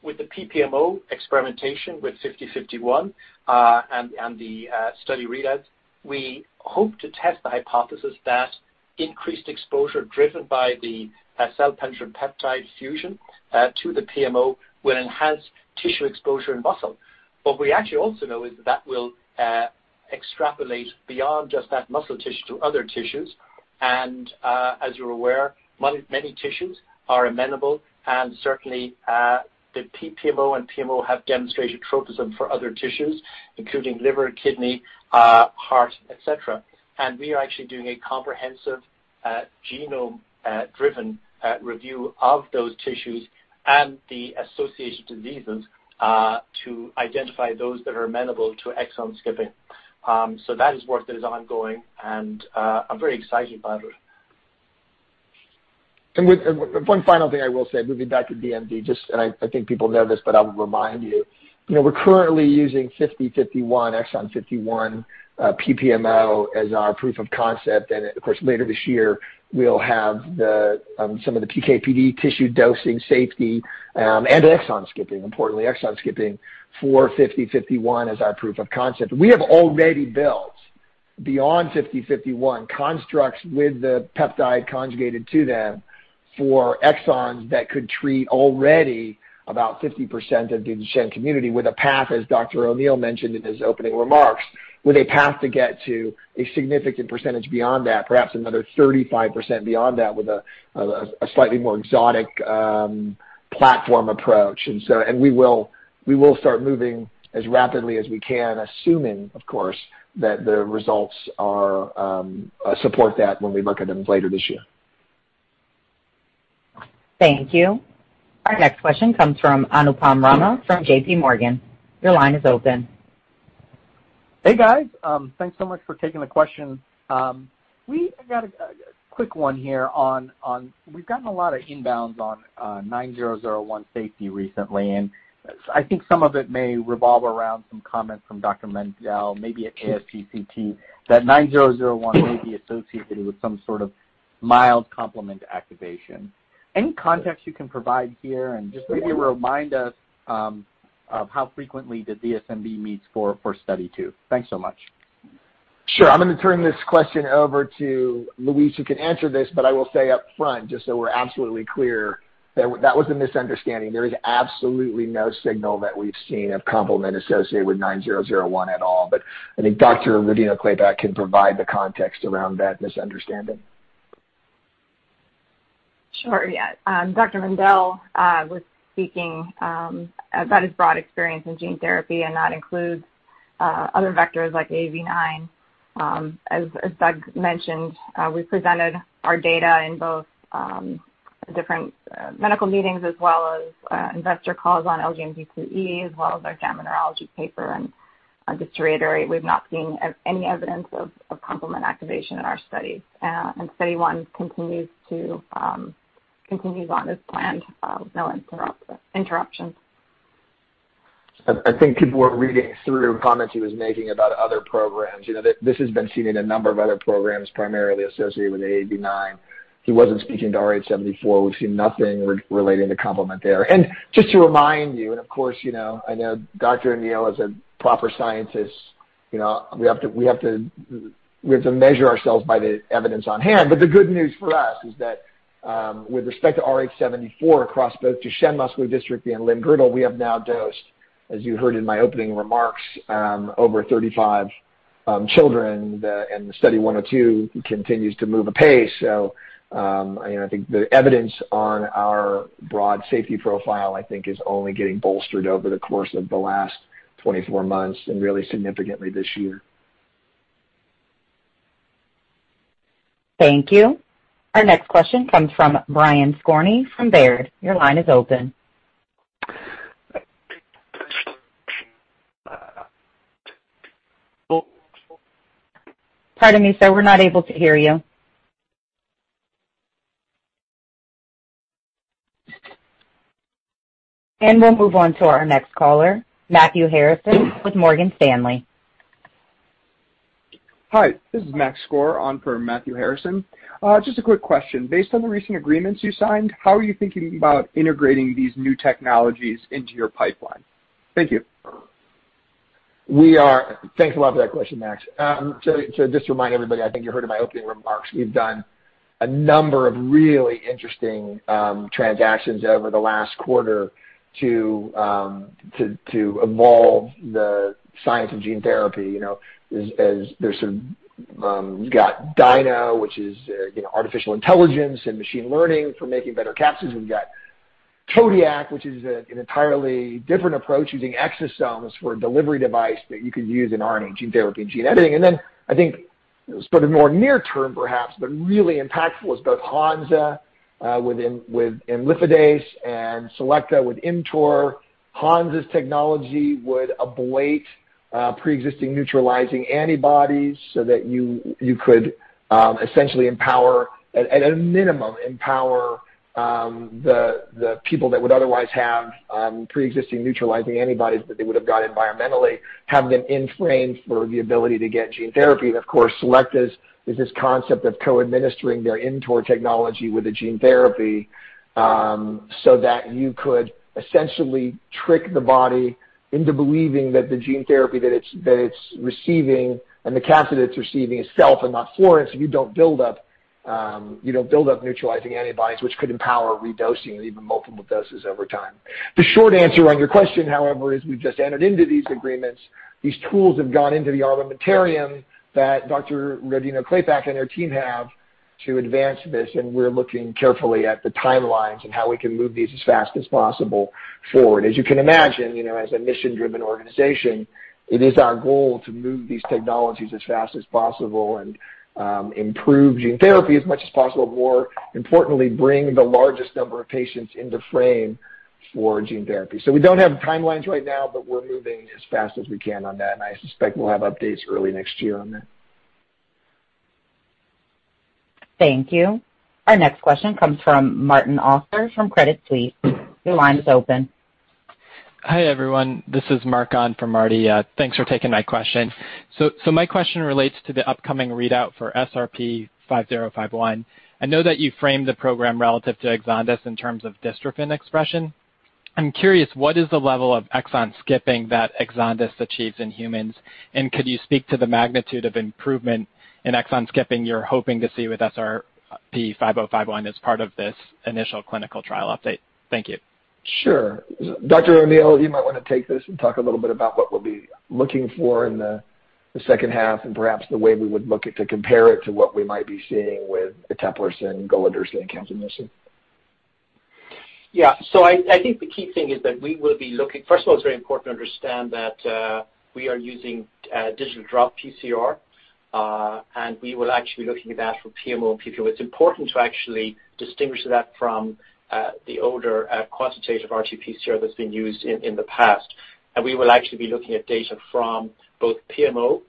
With the PPMO experimentation with SRP-5051 and the study readouts, we hope to test the hypothesis that increased exposure driven by the cell-penetrating peptide fusion to the PMO will enhance tissue exposure in muscle. What we actually also know is that will extrapolate beyond just that muscle tissue to other tissues, and, as you're aware, many tissues are amenable, and certainly, the PPMO and PMO have demonstrated tropism for other tissues, including liver, kidney, heart, et cetera. We are actually doing a comprehensive genome-driven review of those tissues and the associated diseases to identify those that are amenable to exon skipping. That is work that is ongoing, and I'm very excited about it. One final thing I will say, moving back to DMD, I think people know this, but I will remind you. We're currently using SRP-5051 exon 51 PPMO as our proof of concept. Of course, later this year, we'll have some of the PKPD tissue dosing safety and exon skipping, importantly, exon skipping for SRP-5051 as our proof of concept. We have already built beyond SRP-5051 constructs with the peptide conjugated to them for exons that could treat already about 50% of the Duchenne community with a path, as Dr. O'Neill mentioned in his opening remarks, with a path to get to a significant percentage beyond that, perhaps another 35% beyond that, with a slightly more exotic platform approach. We will start moving as rapidly as we can, assuming, of course, that the results support that when we look at them later this year. Thank you. Our next question comes from Anupam Rama from JPMorgan. Your line is open. Hey, guys. Thanks so much for taking the question. We've gotten a lot of inbounds on SRP-9001 safety recently. I think some of it may revolve around some comments from Dr. Mendell, maybe at ASGCT, that SRP-9001 may be associated with some sort of mild complement activation. Any context you can provide here? Just maybe remind us of how frequently the DSMB meets for Study 2. Thanks so much. Sure. I'm going to turn this question over to Louise, who can answer this. I will say up front, just so we're absolutely clear, that was a misunderstanding. There is absolutely no signal that we've seen of complement associated with SRP-9001 at all. I think Dr. Rodino-Klapac can provide the context around that misunderstanding. Sure, yeah. Dr. Mendell was speaking about his broad experience in gene therapy, and that includes other vectors like AAV9. As Doug mentioned, we presented our data in both different medical meetings as well as investor calls on LGMD2E, as well as our JAMA Neurology paper, and just to reiterate, we've not seen any evidence of complement activation in our studies. Study 1 continues on as planned, no interruptions. I think people were reading through comments he was making about other programs. This has been seen in a number of other programs, primarily associated with AAV9. He wasn't speaking to rh74. We've seen nothing relating to complement there. Just to remind you, and of course, I know Dr. O'Neill is a proper scientist. We have to measure ourselves by the evidence on hand. The good news for us is that, with respect to rh74 across both Duchenne muscular dystrophy and limb-girdle, we have now dosed, as you heard in my opening remarks, over 35 children. The Study 102 continues to move apace. I think the evidence on our broad safety profile, I think is only getting bolstered over the course of the last 24 months and really significantly this year. Thank you. Our next question comes from Brian Skorney from Baird. Your line is open. Pardon me, sir, we're not able to hear you. We'll move on to our next caller, Matthew Harrison with Morgan Stanley. Hi, this is Maxwell Skor on for Matthew Harrison. Just a quick question. Based on the recent agreements you signed, how are you thinking about integrating these new technologies into your pipeline? Thank you. Thanks a lot for that question, Max. Just to remind everybody, I think you heard in my opening remarks, we've done a number of really interesting transactions over the last quarter to evolve the science of gene therapy. We've got Dyno, which is artificial intelligence and machine learning for making better capsids. We've got Codiak, which is an entirely different approach using exosomes for a delivery device that you could use in RNA gene therapy and gene editing. Then I think for the more near term, perhaps, but really impactful is both Hansa with imlifidase and Selecta with ImmTOR. Hansa's technology would ablate preexisting neutralizing antibodies so that you could essentially, at a minimum, empower the people that would otherwise have preexisting neutralizing antibodies that they would have got environmentally, have them in frame for the ability to get gene therapy. Of course, Selecta's is this concept of co-administering their ImmTOR technology with a gene therapy, so that you could essentially trick the body into believing that the gene therapy that it's receiving and the capsule it's receiving is self and not foreign, so you don't build up neutralizing antibodies, which could empower redosing and even multiple doses over time. The short answer on your question, however, is we've just entered into these agreements. These tools have gone into the armamentarium that Dr. Rodino-Klapac and her team have to advance this, we're looking carefully at the timelines and how we can move these as fast as possible forward. As you can imagine, as a mission-driven organization, it is our goal to move these technologies as fast as possible and improve gene therapy as much as possible, more importantly, bring the largest number of patients into frame for gene therapy. We don't have timelines right now, but we're moving as fast as we can on that, and I suspect we'll have updates early next year on that. Thank you. Our next question comes from Martin Auster from Credit Suisse. Your line is open. Hi, everyone. This is Mark from Marty. Thanks for taking my question. My question relates to the upcoming readout for SRP-5051. I know that you framed the program relative to EXONDYS in terms of dystrophin expression. I'm curious, what is the level of exon skipping that EXONDYS achieves in humans? Could you speak to the magnitude of improvement in exon skipping you're hoping to see with SRP-5051 as part of this initial clinical trial update? Thank you. Sure. Dr. O'Neill, you might want to take this and talk a little bit about what we'll be looking for in the second half and perhaps the way we would look at to compare it to what we might be seeing with eteplirsen, golodirsen, and casimersen. Yeah. I think the key thing is that we will be looking, first of all, it's very important to understand that we are using digital drop PCR, and we will actually be looking at that for PMO and PPMO. It's important to actually distinguish that from the older quantitative RT-PCR that's been used in the past. We will actually be looking at data from both PMO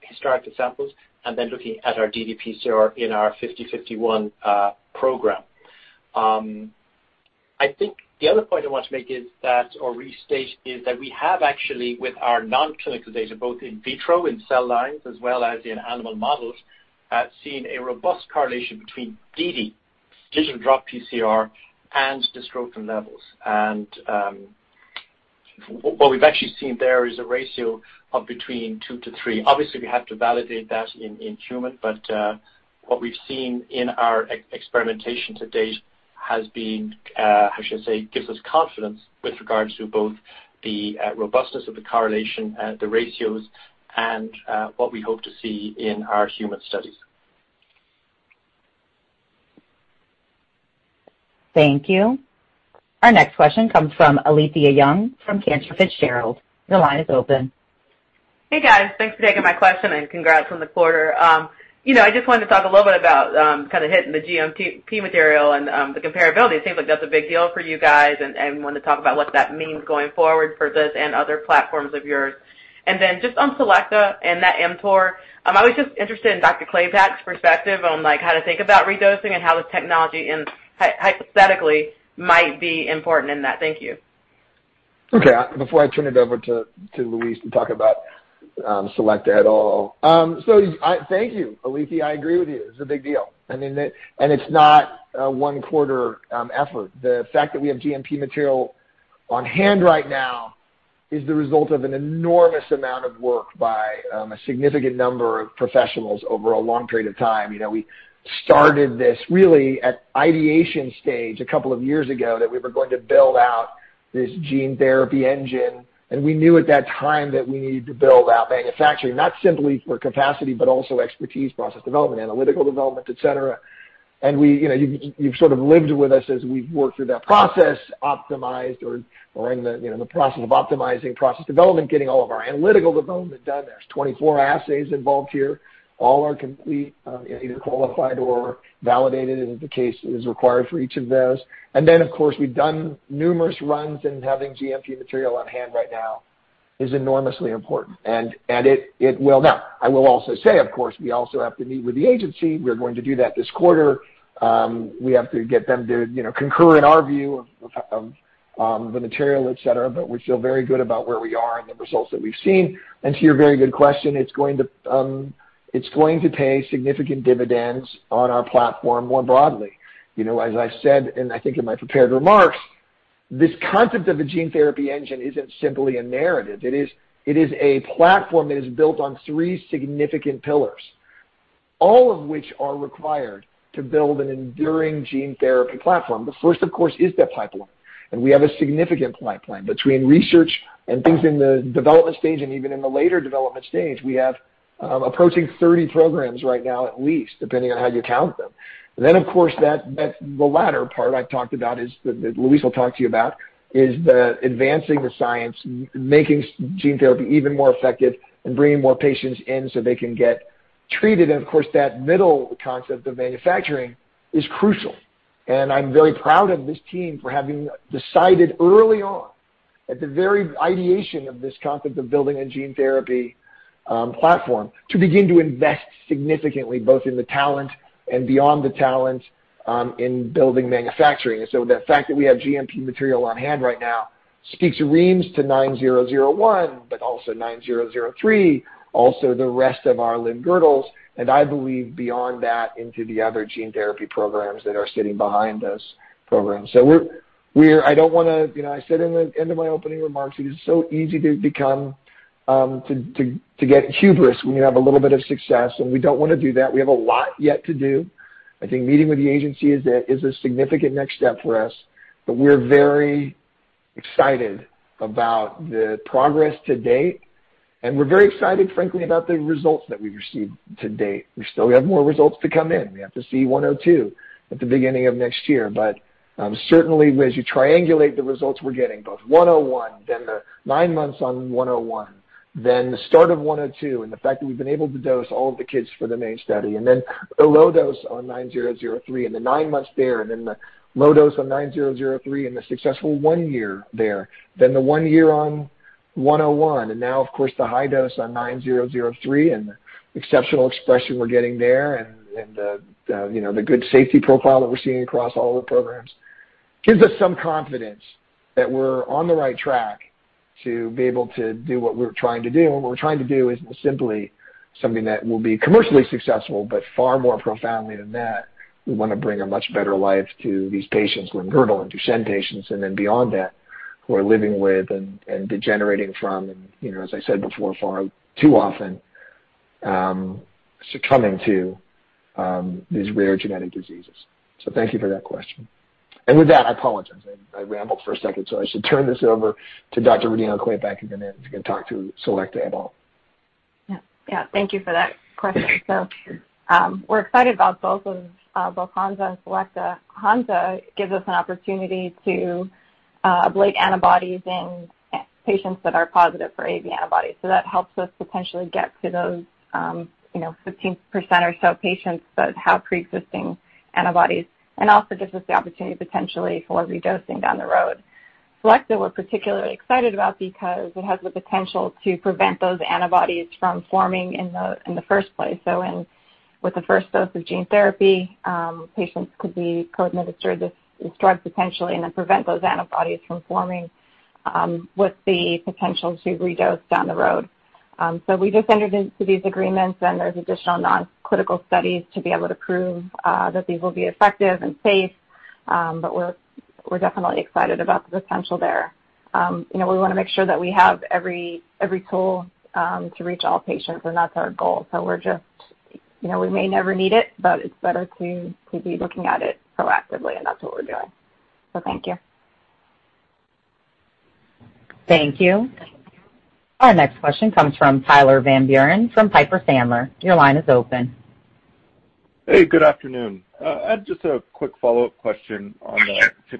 historical samples and then looking at our ddPCR in our 5051 program. I think the other point I want to make is that, or restate, is that we have actually, with our non-clinical data, both in vitro, in cell lines, as well as in animal models, seen a robust correlation between dd, digital drop PCR, and dystrophin levels. What we've actually seen there is a ratio of between 2:3. Obviously, we have to validate that in human, but what we've seen in our experimentation to date. Has been, I should say, gives us confidence with regards to both the robustness of the correlation and the ratios and what we hope to see in our human studies. Thank you. Our next question comes from Alethia Young from Cantor Fitzgerald. Your line is open. Hey, guys. Thanks for taking my question. Congrats on the quarter. I just wanted to talk a little bit about hitting the GMP material and the comparability. It seems like that's a big deal for you guys, and want to talk about what that means going forward for this and other platforms of yours. Then just on Selecta and that ImmTOR, I was just interested in Dr. Rodino-Klapac's perspective on how to think about redosing and how the technology hypothetically might be important in that. Thank you. Okay. Before I turn it over to Louise to talk about Selecta et al. Thank you, Alethia. I agree with you. It's a big deal. It's not a one-quarter effort. The fact that we have GMP material on hand right now is the result of an enormous amount of work by a significant number of professionals over a long period of time. We started this really at ideation stage a couple of years ago, that we were going to build out this gene therapy engine, and we knew at that time that we needed to build out manufacturing, not simply for capacity, but also expertise, process development, analytical development, et cetera. You've sort of lived with us as we've worked through that process, optimized or are in the process of optimizing process development, getting all of our analytical development done. There's 24 assays involved here. All are complete, either qualified or validated as the case is required for each of those. Of course, we've done numerous runs, and having GMP material on hand right now is enormously important. Now, I will also say, of course, we also have to meet with the agency. We're going to do that this quarter. We have to get them to concur in our view of the material, et cetera, but we feel very good about where we are and the results that we've seen. To your very good question, it's going to pay significant dividends on our platform more broadly. As I said, and I think in my prepared remarks, this concept of a gene therapy engine isn't simply a narrative. It is a platform that is built on three significant pillars, all of which are required to build an enduring gene therapy platform. The first, of course, is the pipeline. We have a significant pipeline between research and things in the development stage and even in the later development stage. We have approaching 30 programs right now, at least, depending on how you count them. Of course, the latter part I talked about is that Louise will talk to you about is the advancing the science, making gene therapy even more effective, and bringing more patients in so they can get treated. Of course, that middle concept of manufacturing is crucial. I'm very proud of this team for having decided early on, at the very ideation of this concept of building a gene therapy platform, to begin to invest significantly, both in the talent and beyond the talent, in building manufacturing. The fact that we have GMP material on hand right now speaks reams to 9001, but also 9003, also the rest of our limb-girdles, and I believe beyond that into the other gene therapy programs that are sitting behind those programs. I said in the end of my opening remarks, it is so easy to get hubris when you have a little bit of success, and we don't want to do that. We have a lot yet to do. I think meeting with the Agency is a significant next step for us, but we're very excited about the progress to date, and we're very excited, frankly, about the results that we've received to date. We still have more results to come in. We have to see 102 at the beginning of next year. Certainly, as you triangulate the results we're getting, both 101, then the nine months on 101, then the start of 102, and the fact that we've been able to dose all of the kids for the main study, and then a low dose on 9003 and the nine months there, and then the low dose on 9003 and the successful one year there. Then the one year on 101, and now, of course, the high dose on 9003 and the exceptional expression we're getting there and the good safety profile that we're seeing across all the programs, gives us some confidence that we're on the right track to be able to do what we're trying to do. What we're trying to do isn't simply something that will be commercially successful, but far more profoundly than that, we want to bring a much better life to these patients with girdle and Duchenne patients, and then beyond that, who are living with and degenerating from, and as I said before, far too often, succumbing to these rare genetic diseases. Thank you for that question. With that, I apologize. I rambled for a second, I should turn this over to Dr. Rodino-Klapac, who can then talk to Selecta et al. Yeah. Thank you for that question. We're excited about both Hansa and Selecta. Hansa gives us an opportunity to ablate antibodies in patients that are positive for AAV antibodies. That helps us potentially get to those 15% or so patients that have preexisting antibodies and also gives us the opportunity potentially for redosing down the road. Selecta, we're particularly excited about because it has the potential to prevent those antibodies from forming in the first place. With the first dose of gene therapy, patients could be co-administered this drug potentially, and then prevent those antibodies from forming with the potential to redose down the road. We just entered into these agreements, and there's additional non-clinical studies to be able to prove that these will be effective and safe. We're definitely excited about the potential there. We want to make sure that we have every tool to reach all patients, and that's our goal. We may never need it, but it's better to be looking at it proactively, and that's what we're doing. Thank you. Thank you. Our next question comes from Tyler Van Buren from Piper Sandler. Your line is open. Hey, good afternoon. I had just a quick follow-up question on the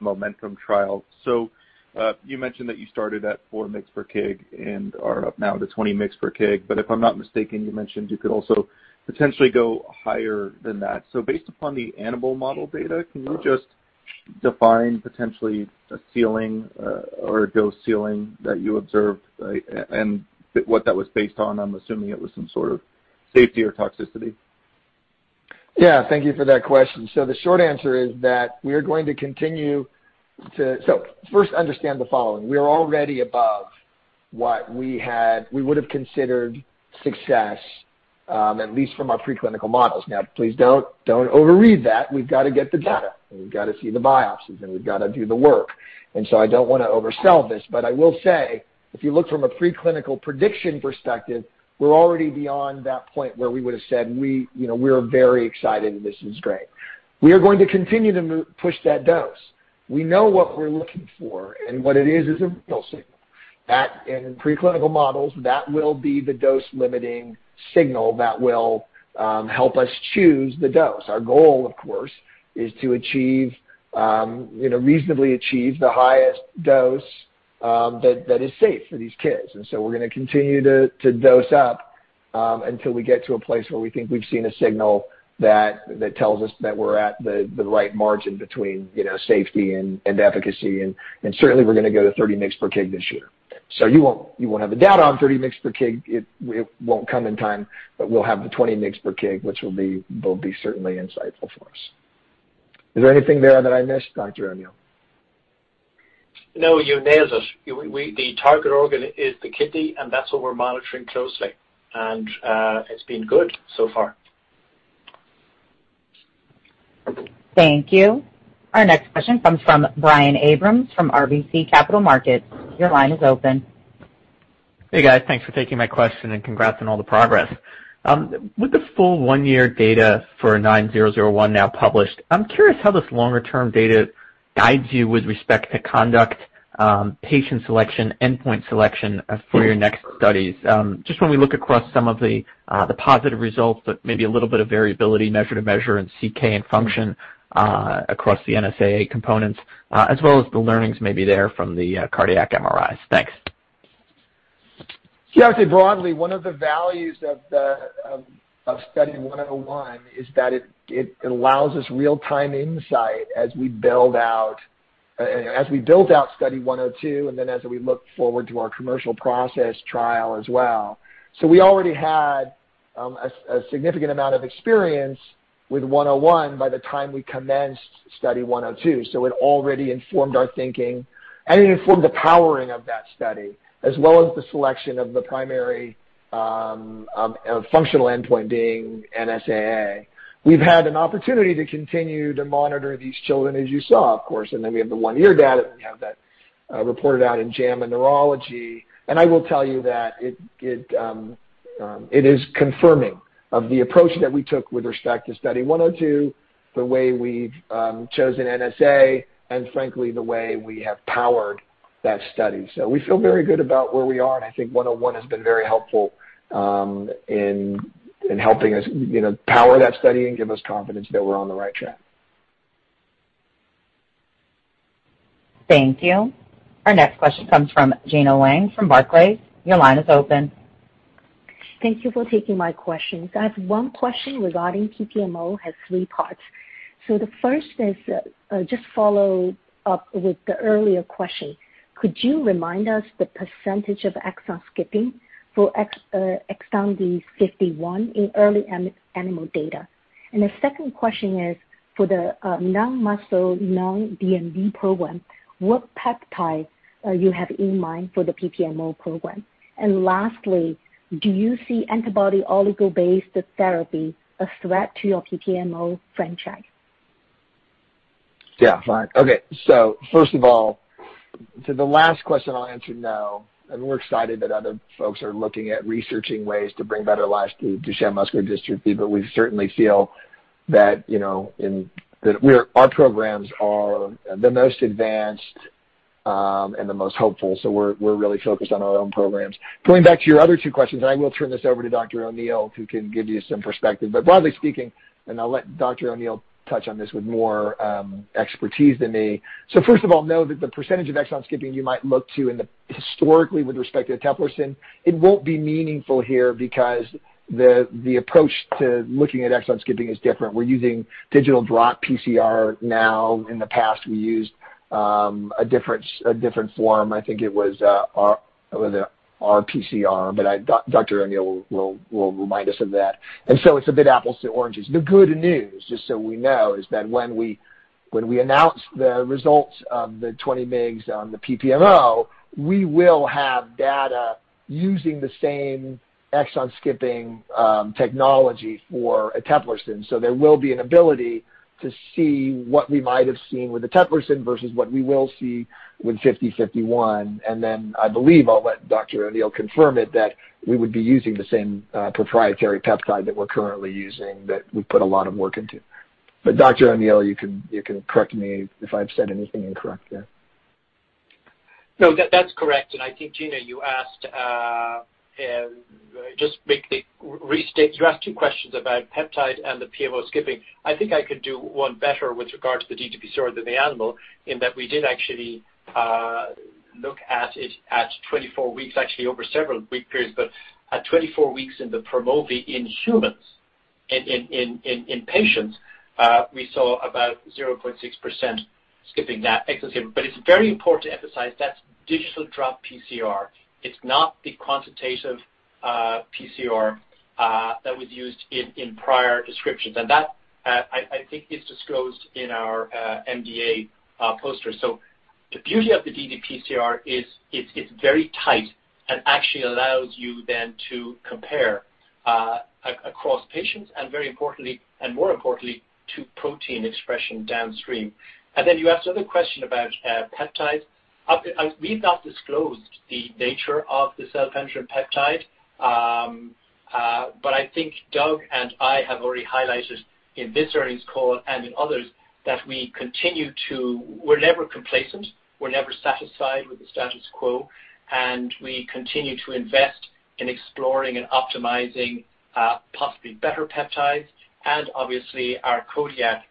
MOMENTUM trial. You mentioned that you started at 4 mgs per kg and are up now to 20 mgs per kg. If I'm not mistaken, you mentioned you could also potentially go higher than that. Based upon the animal model data, can you just define potentially a ceiling or a dose ceiling that you observed and what that was based on? I'm assuming it was some sort of safety or toxicity. Yeah. Thank you for that question. First understand the following. We are already above what we would have considered success, at least from our pre-clinical models. Now, please don't overread that. We've got to get the data, and we've got to see the biopsies, and we've got to do the work. I don't want to oversell this, but I will say, if you look from a pre-clinical prediction perspective, we're already beyond that point where we would've said, we're very excited and this is great. We are going to continue to push that dose. We know what we're looking for, and what it is a real signal. In pre-clinical models, that will be the dose-limiting signal that will help us choose the dose. Our goal, of course, is to reasonably achieve the highest dose that is safe for these kids. We're going to continue to dose up until we get to a place where we think we've seen a signal that tells us that we're at the right margin between safety and efficacy. Certainly, we're going to go to 30 mg per kg this year. You won't have the data on 30 mg per kg. It won't come in time, but we'll have the 20 mg per kg, which will be certainly insightful for us. Is there anything there that I missed, Dr. O'Neill? No, you nailed it. The target organ is the kidney, and that's what we're monitoring closely. It's been good so far. Thank you. Our next question comes from Brian Abrahams from RBC Capital Markets. Your line is open. Hey, guys. Thanks for taking my question. Congrats on all the progress. With the full one-year data for 9001 now published, I'm curious how this longer-term data guides you with respect to conduct, patient selection, endpoint selection for your next studies. Just when we look across some of the positive results, but maybe a little bit of variability measure to measure in CK and function across the NSAA components, as well as the learnings maybe there from the cardiac MRIs. Thanks. I'd say broadly, one of the values of Study 101 is that it allows us real-time insight as we build out Study 102, as we look forward to our commercial process trial as well. We already had a significant amount of experience with 101 by the time we commenced Study 102. It already informed our thinking, and it informed the powering of that study, as well as the selection of the primary functional endpoint being NSAA. We've had an opportunity to continue to monitor these children, as you saw, of course, we have the one-year data, we have that reported out in JAMA Neurology. I will tell you that it is confirming of the approach that we took with respect to Study 102, the way we've chosen NSAA, and frankly, the way we have powered that study. We feel very good about where we are, and I think Study 101 has been very helpful in helping us power that study and give us confidence that we're on the right track. Thank you. Our next question comes from Gena Wang from Barclays. Your line is open. Thank you for taking my questions. I have one question regarding PPMO, has three parts. The first is just follow up with the earlier question. Could you remind us the percentage of exon skipping for EXONDYS 51 in early animal data? The second question is for the non-muscle, non-DMD program, what peptide you have in mind for the PPMO program? Lastly, do you see antibody oligo-based therapy a threat to your PPMO franchise? Yeah. Fine. Okay. First of all, to the last question, I'll answer no. We're excited that other folks are looking at researching ways to bring better lives to Duchenne muscular dystrophy. We certainly feel that our programs are the most advanced and the most hopeful. We're really focused on our own programs. Going back to your other two questions, I will turn this over to Dr. O'Neill, who can give you some perspective. Broadly speaking, I'll let Dr. O'Neill touch on this with more expertise than me. First of all, know that the percentage of exon skipping you might look to historically with respect to eteplirsen, it won't be meaningful here because the approach to looking at exon skipping is different. We're using digital drop PCR now. In the past, we used a different form. I think it was RT-PCR. Dr. O'Neill will remind us of that. It's a bit apples to oranges. The good news, just so we know, is that when we announce the results of the 20 mgs on the PPMO, we will have data using the same exon skipping technology for eteplirsen. There will be an ability to see what we might have seen with the eteplirsen versus what we will see with 5051. I believe, I'll let Dr. O'Neill confirm it, that we would be using the same proprietary peptide that we're currently using that we put a lot of work into. Dr. O'Neill, you can correct me if I've said anything incorrect there. No, that's correct. I think, Gena, you asked, just restate, you asked two questions about peptide and the PMO skipping. I think I could do one better with regard to the ddPCR than the animal, in that we did actually look at it at 24 weeks, actually over several week periods, but at 24 weeks in the PROMOVI in humans, in patients, we saw about 0.6% skipping that exon skip. It's very important to emphasize that's digital drop PCR. It's not the quantitative PCR that was used in prior descriptions. That, I think is disclosed in our MDA poster. The beauty of the ddPCR is it's very tight and actually allows you then to compare across patients and very importantly, and more importantly, to protein expression downstream. Then you asked another question about peptides. We've not disclosed the nature of the cell-penetrating peptide. I think Doug and I have already highlighted in this earnings call and in others that we continue to, we're never complacent, we're never satisfied with the status quo, and we continue to invest in exploring and optimizing possibly better peptides. Obviously our Codiak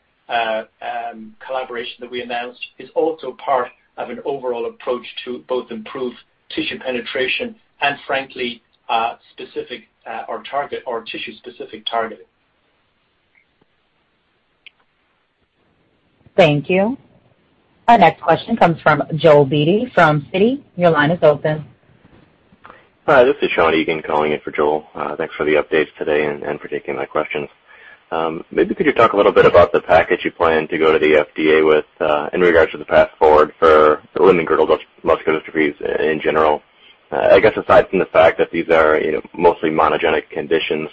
collaboration that we announced is also part of an overall approach to both improve tissue penetration and frankly, specific or target or tissue specific targeting. Thank you. Our next question comes from Joel Beatty from Citi. Your line is open. Hi, this is Yigal calling in for Joel. Thanks for the updates today and for taking my questions. Maybe could you talk a little bit about the package you plan to go to the FDA with, in regards to the path forward for limb-girdle muscular dystrophies in general? I guess aside from the fact that these are mostly monogenic conditions,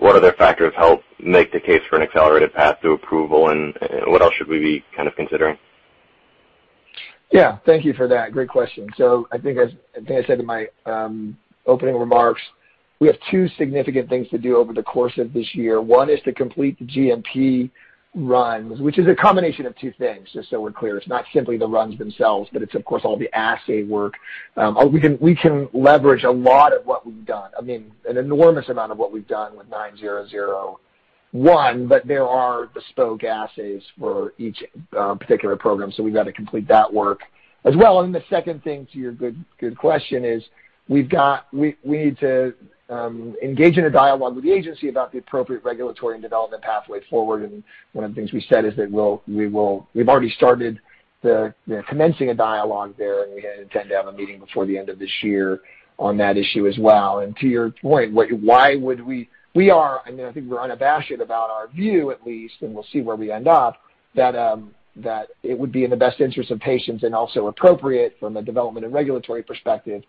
what other factors help make the case for an accelerated path to approval, and what else should we be considering? Yeah. Thank you for that. Great question. I think, as I said in my opening remarks, we have two significant things to do over the course of this year. One is to complete the GMP runs, which is a combination of two things, just so we're clear. It's not simply the runs themselves, but it's of course all the assay work. We can leverage a lot of what we've done, I mean, an enormous amount of what we've done with SRP-9001, but there are bespoke assays for each particular program, so we've got to complete that work as well. The second thing to your good question is, we need to engage in a dialogue with the agency about the appropriate regulatory and development pathway forward. One of the things we said is that we've already started commencing a dialogue there. We intend to have a meeting before the end of this year on that issue as well. To your point, why would we? We are, I think we're unabashed about our view at least, and we'll see where we end up, that it would be in the best interest of patients and also appropriate from a development and regulatory perspective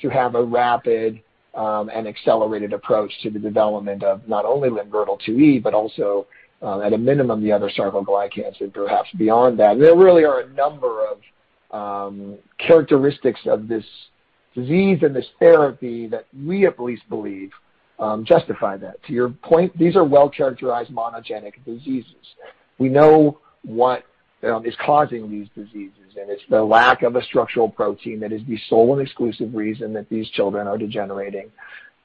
to have a rapid and accelerated approach to the development of not only limb-girdle 2E, but also at a minimum, the other sarcoglycans, and perhaps beyond that. There really are a number of characteristics of this disease and this therapy that we at least believe justify that. To your point, these are well-characterized monogenic diseases. We know what is causing these diseases, and it's the lack of a structural protein that is the sole and exclusive reason that these children are degenerating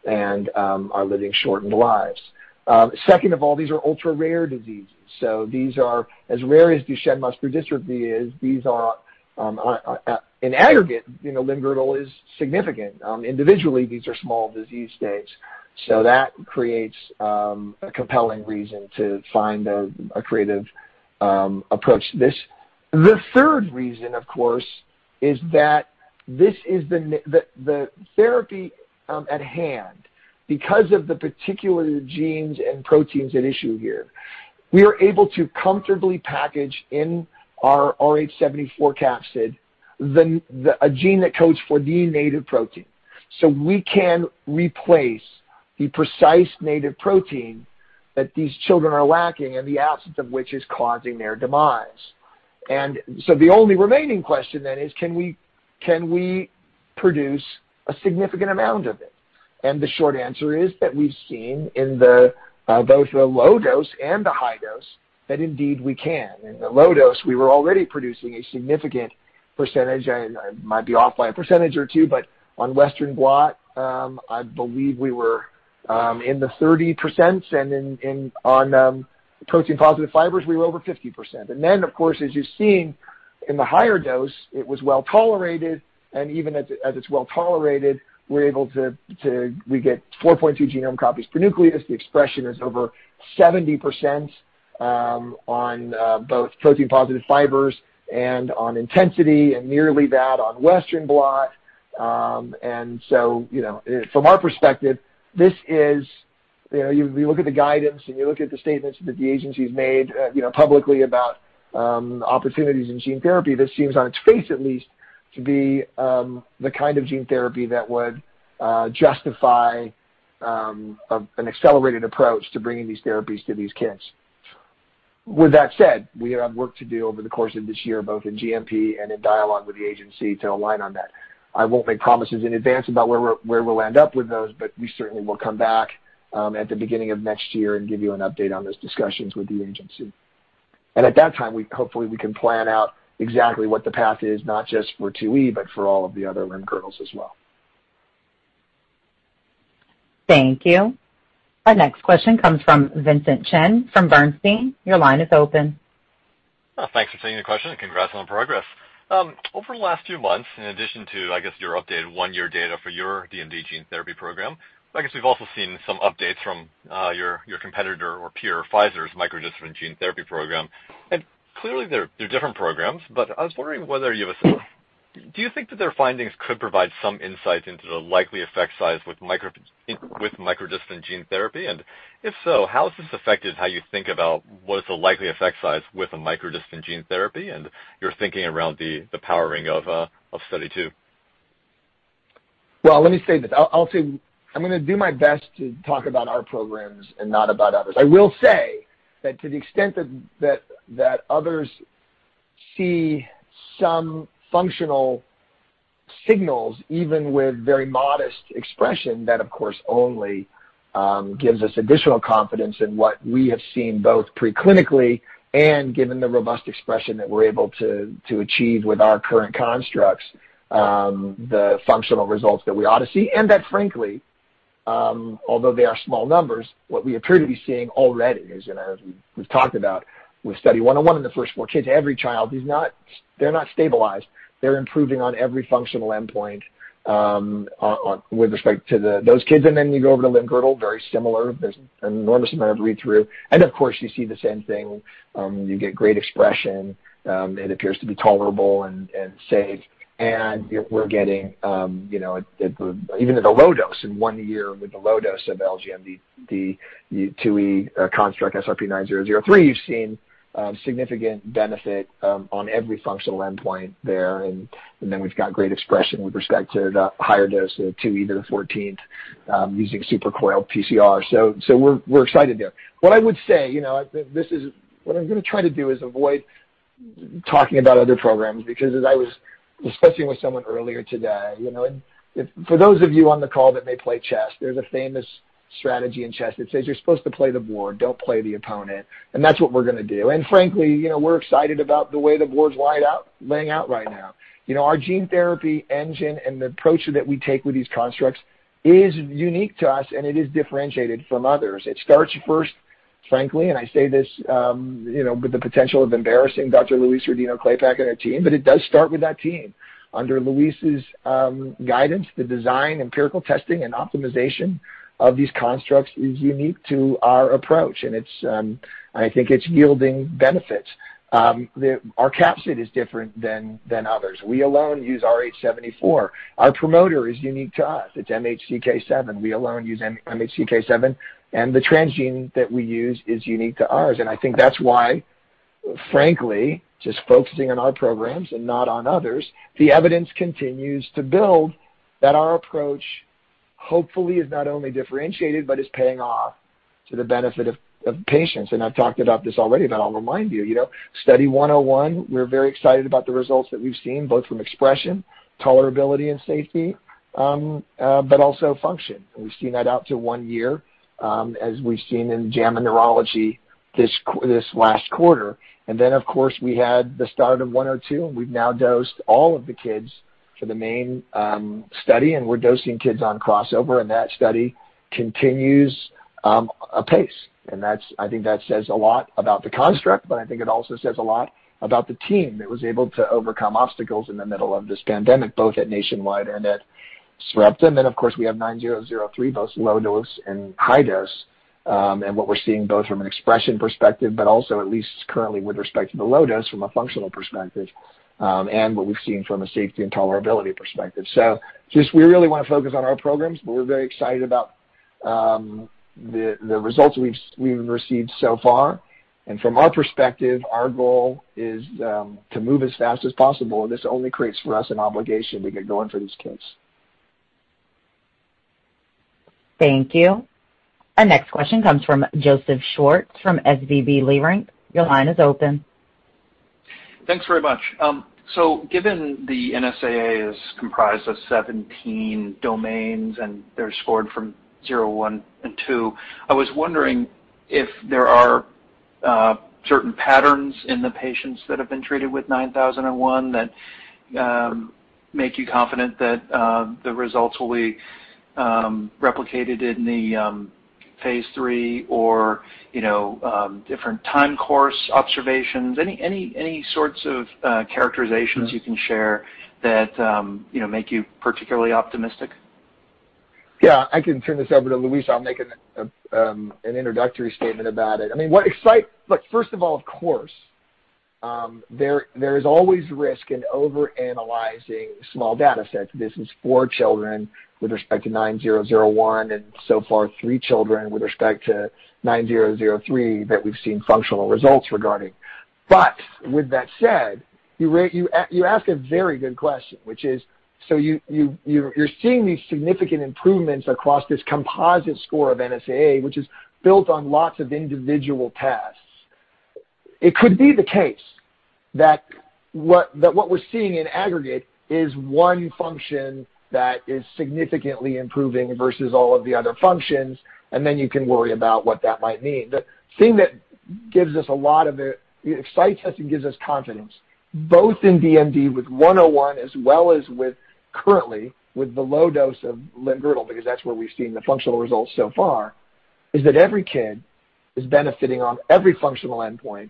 and are living shortened lives. Second of all, these are ultra-rare diseases. These are, as rare as Duchenne muscular dystrophy is, these are in aggregate, limb-girdle is significant. Individually, these are small disease states, so that creates a compelling reason to find a creative approach to this. The third reason, of course, is that this is the therapy at hand. Because of the particular genes and proteins at issue here, we are able to comfortably package in our rh74 capsid, a gene that codes for the native protein. We can replace the precise native protein that these children are lacking, and the absence of which is causing their demise. The only remaining question then is, can we produce a significant amount of it? The short answer is that we've seen in both the low dose and the high dose, that indeed we can. In the low dose, we were already producing a significant percentage. I might be off by a percentage or two, but on Western blot, I believe we were in the 30%, and on protein positive fibers, we were over 50%. Then, of course, as you're seeing in the higher dose, it was well-tolerated, and even as it's well-tolerated, we get 4.2 genome copies per nucleus. The expression is over 70% on both protein positive fibers and on intensity, and nearly that on Western blot. From our perspective, you look at the guidance and you look at the statements that the agency's made publicly about opportunities in gene therapy, this seems on its face at least, to be the kind of gene therapy that would justify an accelerated approach to bringing these therapies to these kids. With that said, we have work to do over the course of this year, both in GMP and in dialogue with the agency to align on that. I won't make promises in advance about where we'll end up with those, but we certainly will come back at the beginning of next year and give you an update on those discussions with the agency. At that time, hopefully, we can plan out exactly what the path is, not just for 2E, but for all of the other limb-girdles as well. Thank you. Our next question comes from Vincent Chen from Bernstein. Your line is open. Thanks for taking the question. Congrats on the progress. Over the last few months, in addition to, I guess, your updated one-year data for your DMD gene therapy program, I guess we've also seen some updates from your competitor or peer, Pfizer's micro-dystrophin gene therapy program. Clearly they're different programs, but I was wondering, do you think that their findings could provide some insight into the likely effect size with micro-dystrophin gene therapy? If so, how has this affected how you think about what is the likely effect size with a micro-dystrophin gene therapy and your thinking around the powering of Study 2? Well, let me say this. I'll say, I'm going to do my best to talk about our programs and not about others. I will say that to the extent that others see some functional signals, even with very modest expression, that, of course, only gives us additional confidence in what we have seen both pre-clinically and given the robust expression that we're able to achieve with our current constructs, the functional results that we ought to see, and that frankly, although they are small numbers, what we appear to be seeing already is, and as we've talked about with Study 101 in the first four kids, every child, they're not stabilized. They're improving on every functional endpoint with respect to those kids. You go over to limb-girdle, very similar. There's an enormous amount of read-through. Of course, you see the same thing. You get great expression. It appears to be tolerable and safe, and we're getting, even at a low dose in one year with the low dose of LGMD, the 2E construct, SRP-9003, you've seen significant benefit on every functional endpoint there. Then we've got great expression with respect to the higher dose of 2E to the 14th using supercoiled PCR. We're excited there. What I'm going to try to do is avoid talking about other programs, because as I was discussing with someone earlier today, for those of you on the call that may play chess, there's a famous strategy in chess that says you're supposed to play the board, don't play the opponent, and that's what we're going to do. Frankly, we're excited about the way the board's laying out right now. Our gene therapy engine and the approach that we take with these constructs is unique to us, and it is differentiated from others. It starts first, frankly, and I say this with the potential of embarrassing Dr. Louise Rodino-Klapac and our team, but it does start with that team. Under Louise's guidance, the design, empirical testing, and optimization of these constructs is unique to our approach, and I think it's yielding benefits. Our capsid is different than others. We alone use rh74. Our promoter is unique to us. It's MHCK7. We alone use MHCK7, and the transgene that we use is unique to ours, and I think that's why, frankly, just focusing on our programs and not on others, the evidence continues to build that our approach hopefully is not only differentiated but is paying off to the benefit of patients. I've talked about this already, but I'll remind you. Study 101, we're very excited about the results that we've seen, both from expression, tolerability, and safety, but also function. We've seen that out to one year, as we've seen in JAMA Neurology this last quarter. Of course, we had the start of 102, and we've now dosed all of the kids for the main study, and we're dosing kids on crossover, and that study continues apace. I think that says a lot about the construct, but I think it also says a lot about the team that was able to overcome obstacles in the middle of this pandemic, both at Nationwide and at Sarepta. Of course, we have 9003, both low dose and high dose, and what we're seeing both from an expression perspective, but also at least currently with respect to the low dose from a functional perspective, and what we've seen from a safety and tolerability perspective. Just, we really want to focus on our programs, but we're very excited about the results we've received so far. From our perspective, our goal is to move as fast as possible, and this only creates for us an obligation to get going for these kids. Thank you. Our next question comes from Joseph Schwartz from SVB Leerink. Your line is open. Thanks very much. Given the NSAA is comprised of 17 domains and they're scored from zero, one, and two, I was wondering if there are certain patterns in the patients that have been treated with 9001 that make you confident that the results will be replicated in the phase III or different time course observations. Any sorts of characterizations you can share that make you particularly optimistic? Yeah, I can turn this over to Louise. I'll make an introductory statement about it. First of all, of course, there is always risk in overanalyzing small data sets. This is four children with respect to 9001, and so far three children with respect to 9003 that we've seen functional results regarding. With that said, you ask a very good question, which is, you're seeing these significant improvements across this composite score of NSAA, which is built on lots of individual paths. It could be the case that what we're seeing in aggregate is one function that is significantly improving versus all of the other functions, you can worry about what that might mean. The thing that excites us and gives us confidence, both in DMD with 101, as well as currently with the low dose of limb-girdle, because that's where we've seen the functional results so far, is that every kid is benefiting on every functional endpoint.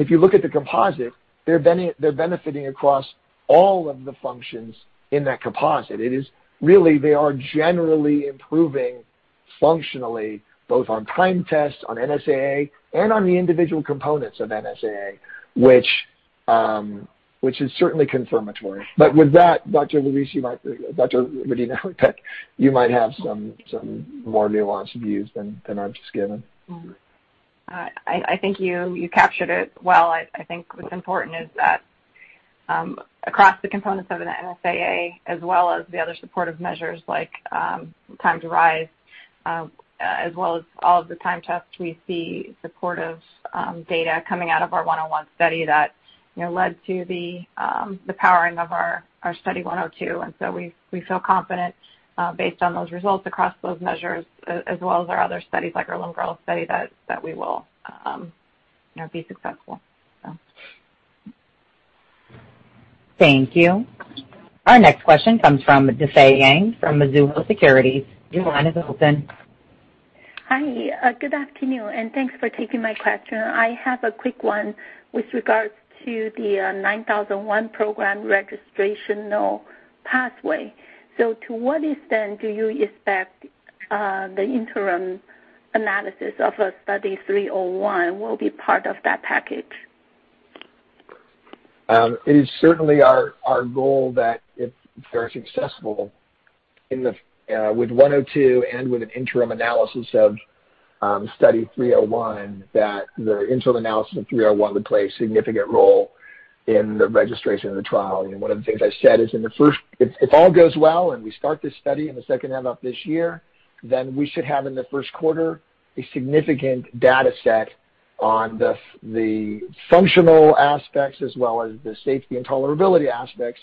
If you look at the composite, they're benefiting across all of the functions in that composite. They are generally improving functionally, both on time tests, on NSAA, and on the individual components of NSAA, which is certainly confirmatory. With that, Dr. Louise Rodino-Klapac, you might have some more nuanced views than I've just given. I think you captured it well. I think what's important is that across the components of an NSAA, as well as the other supportive measures like time to rise, as well as all of the time tests, we see supportive data coming out of our Study 101 that led to the powering of our Study 102. We feel confident based on those results across those measures as well as our other studies like our limb-girdle study that we will be successful. Thank you. Our next question comes from Dae Gon Ha from Mizuho Securities. Your line is open. Hi. Good afternoon. Thanks for taking my question. I have a quick one with regards to the SRP-9001 program registrational pathway. To what extent do you expect the interim analysis of Study 301 will be part of that package? It is certainly our goal that if they're successful with Study 102 and with an interim analysis of Study 301, that the interim analysis of 301 would play a significant role in the registration of the trial. One of the things I said is if all goes well and we start this study in the second half of this year, then we should have in the first quarter a significant data set on the functional aspects as well as the safety and tolerability aspects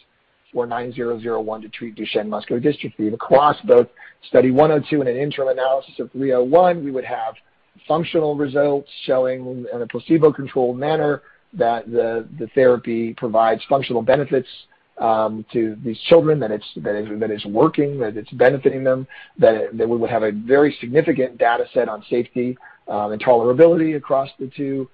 for SRP-9001 to treat Duchenne muscular dystrophy. Across both Study 102 and an interim analysis of 301, we would have functional results showing, in a placebo-controlled manner, that the therapy provides functional benefits to these children, that it's working, that it's benefiting them, that we would have a very significant data set on safety and tolerability across the two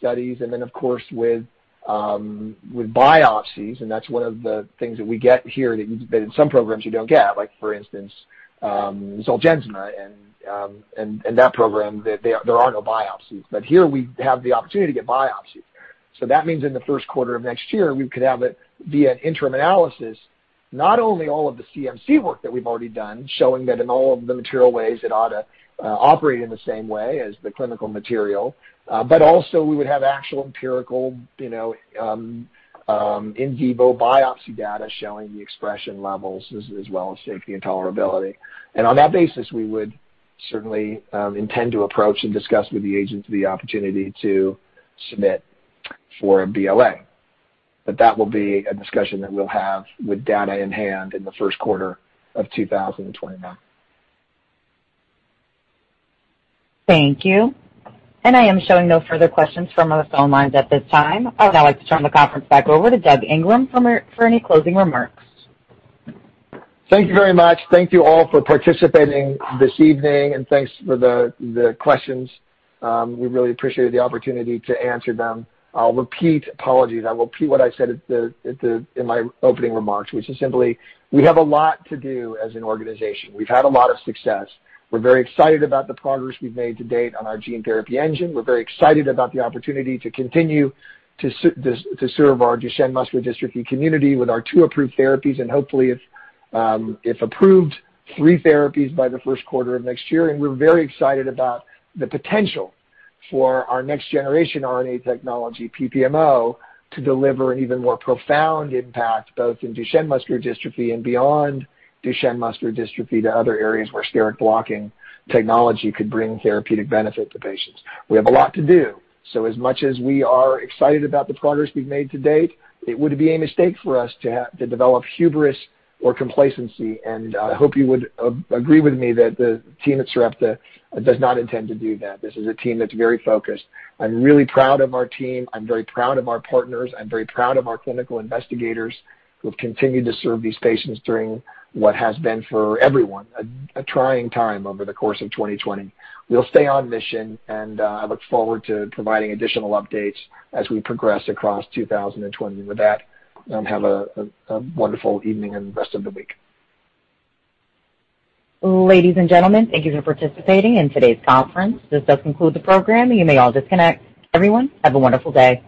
studies. Then, of course, with biopsies, and that's one of the things that we get here that in some programs you don't get, like for instance, ZOLGENSMA and that program, there are no biopsies. Here we have the opportunity to get biopsies. That means in the first quarter of next year, we could have it via an interim analysis, not only all of the CMC work that we've already done, showing that in all of the material ways it ought to operate in the same way as the clinical material. Also we would have actual empirical in vivo biopsy data showing the expression levels as well as safety and tolerability. On that basis, we would certainly intend to approach and discuss with the agency the opportunity to submit for a BLA. That will be a discussion that we'll have with data in hand in the first quarter of 2021. Thank you. I am showing no further questions from our phone lines at this time. I would now like to turn the conference back over to Doug Ingram for any closing remarks. Thank you very much. Thank you all for participating this evening, and thanks for the questions. We really appreciated the opportunity to answer them. I'll repeat what I said in my opening remarks, which is simply, we have a lot to do as an organization. We've had a lot of success. We're very excited about the progress we've made to date on our gene therapy engine. We're very excited about the opportunity to continue to serve our Duchenne muscular dystrophy community with our two approved therapies, and hopefully, if approved, three therapies by the first quarter of next year. We're very excited about the potential for our next generation RNA technology, PPMO, to deliver an even more profound impact, both in Duchenne muscular dystrophy and beyond Duchenne muscular dystrophy to other areas where steric blocking technology could bring therapeutic benefit to patients. We have a lot to do, so as much as we are excited about the progress we've made to date, it would be a mistake for us to develop hubris or complacency, and I hope you would agree with me that the team at Sarepta does not intend to do that. This is a team that's very focused. I'm really proud of our team. I'm very proud of our partners. I'm very proud of our clinical investigators who have continued to serve these patients during what has been for everyone, a trying time over the course of 2020. We'll stay on mission, and I look forward to providing additional updates as we progress across 2020. With that, have a wonderful evening and rest of the week. Ladies and gentlemen, thank you for participating in today's conference. This does conclude the program. You may all disconnect. Everyone, have a wonderful day.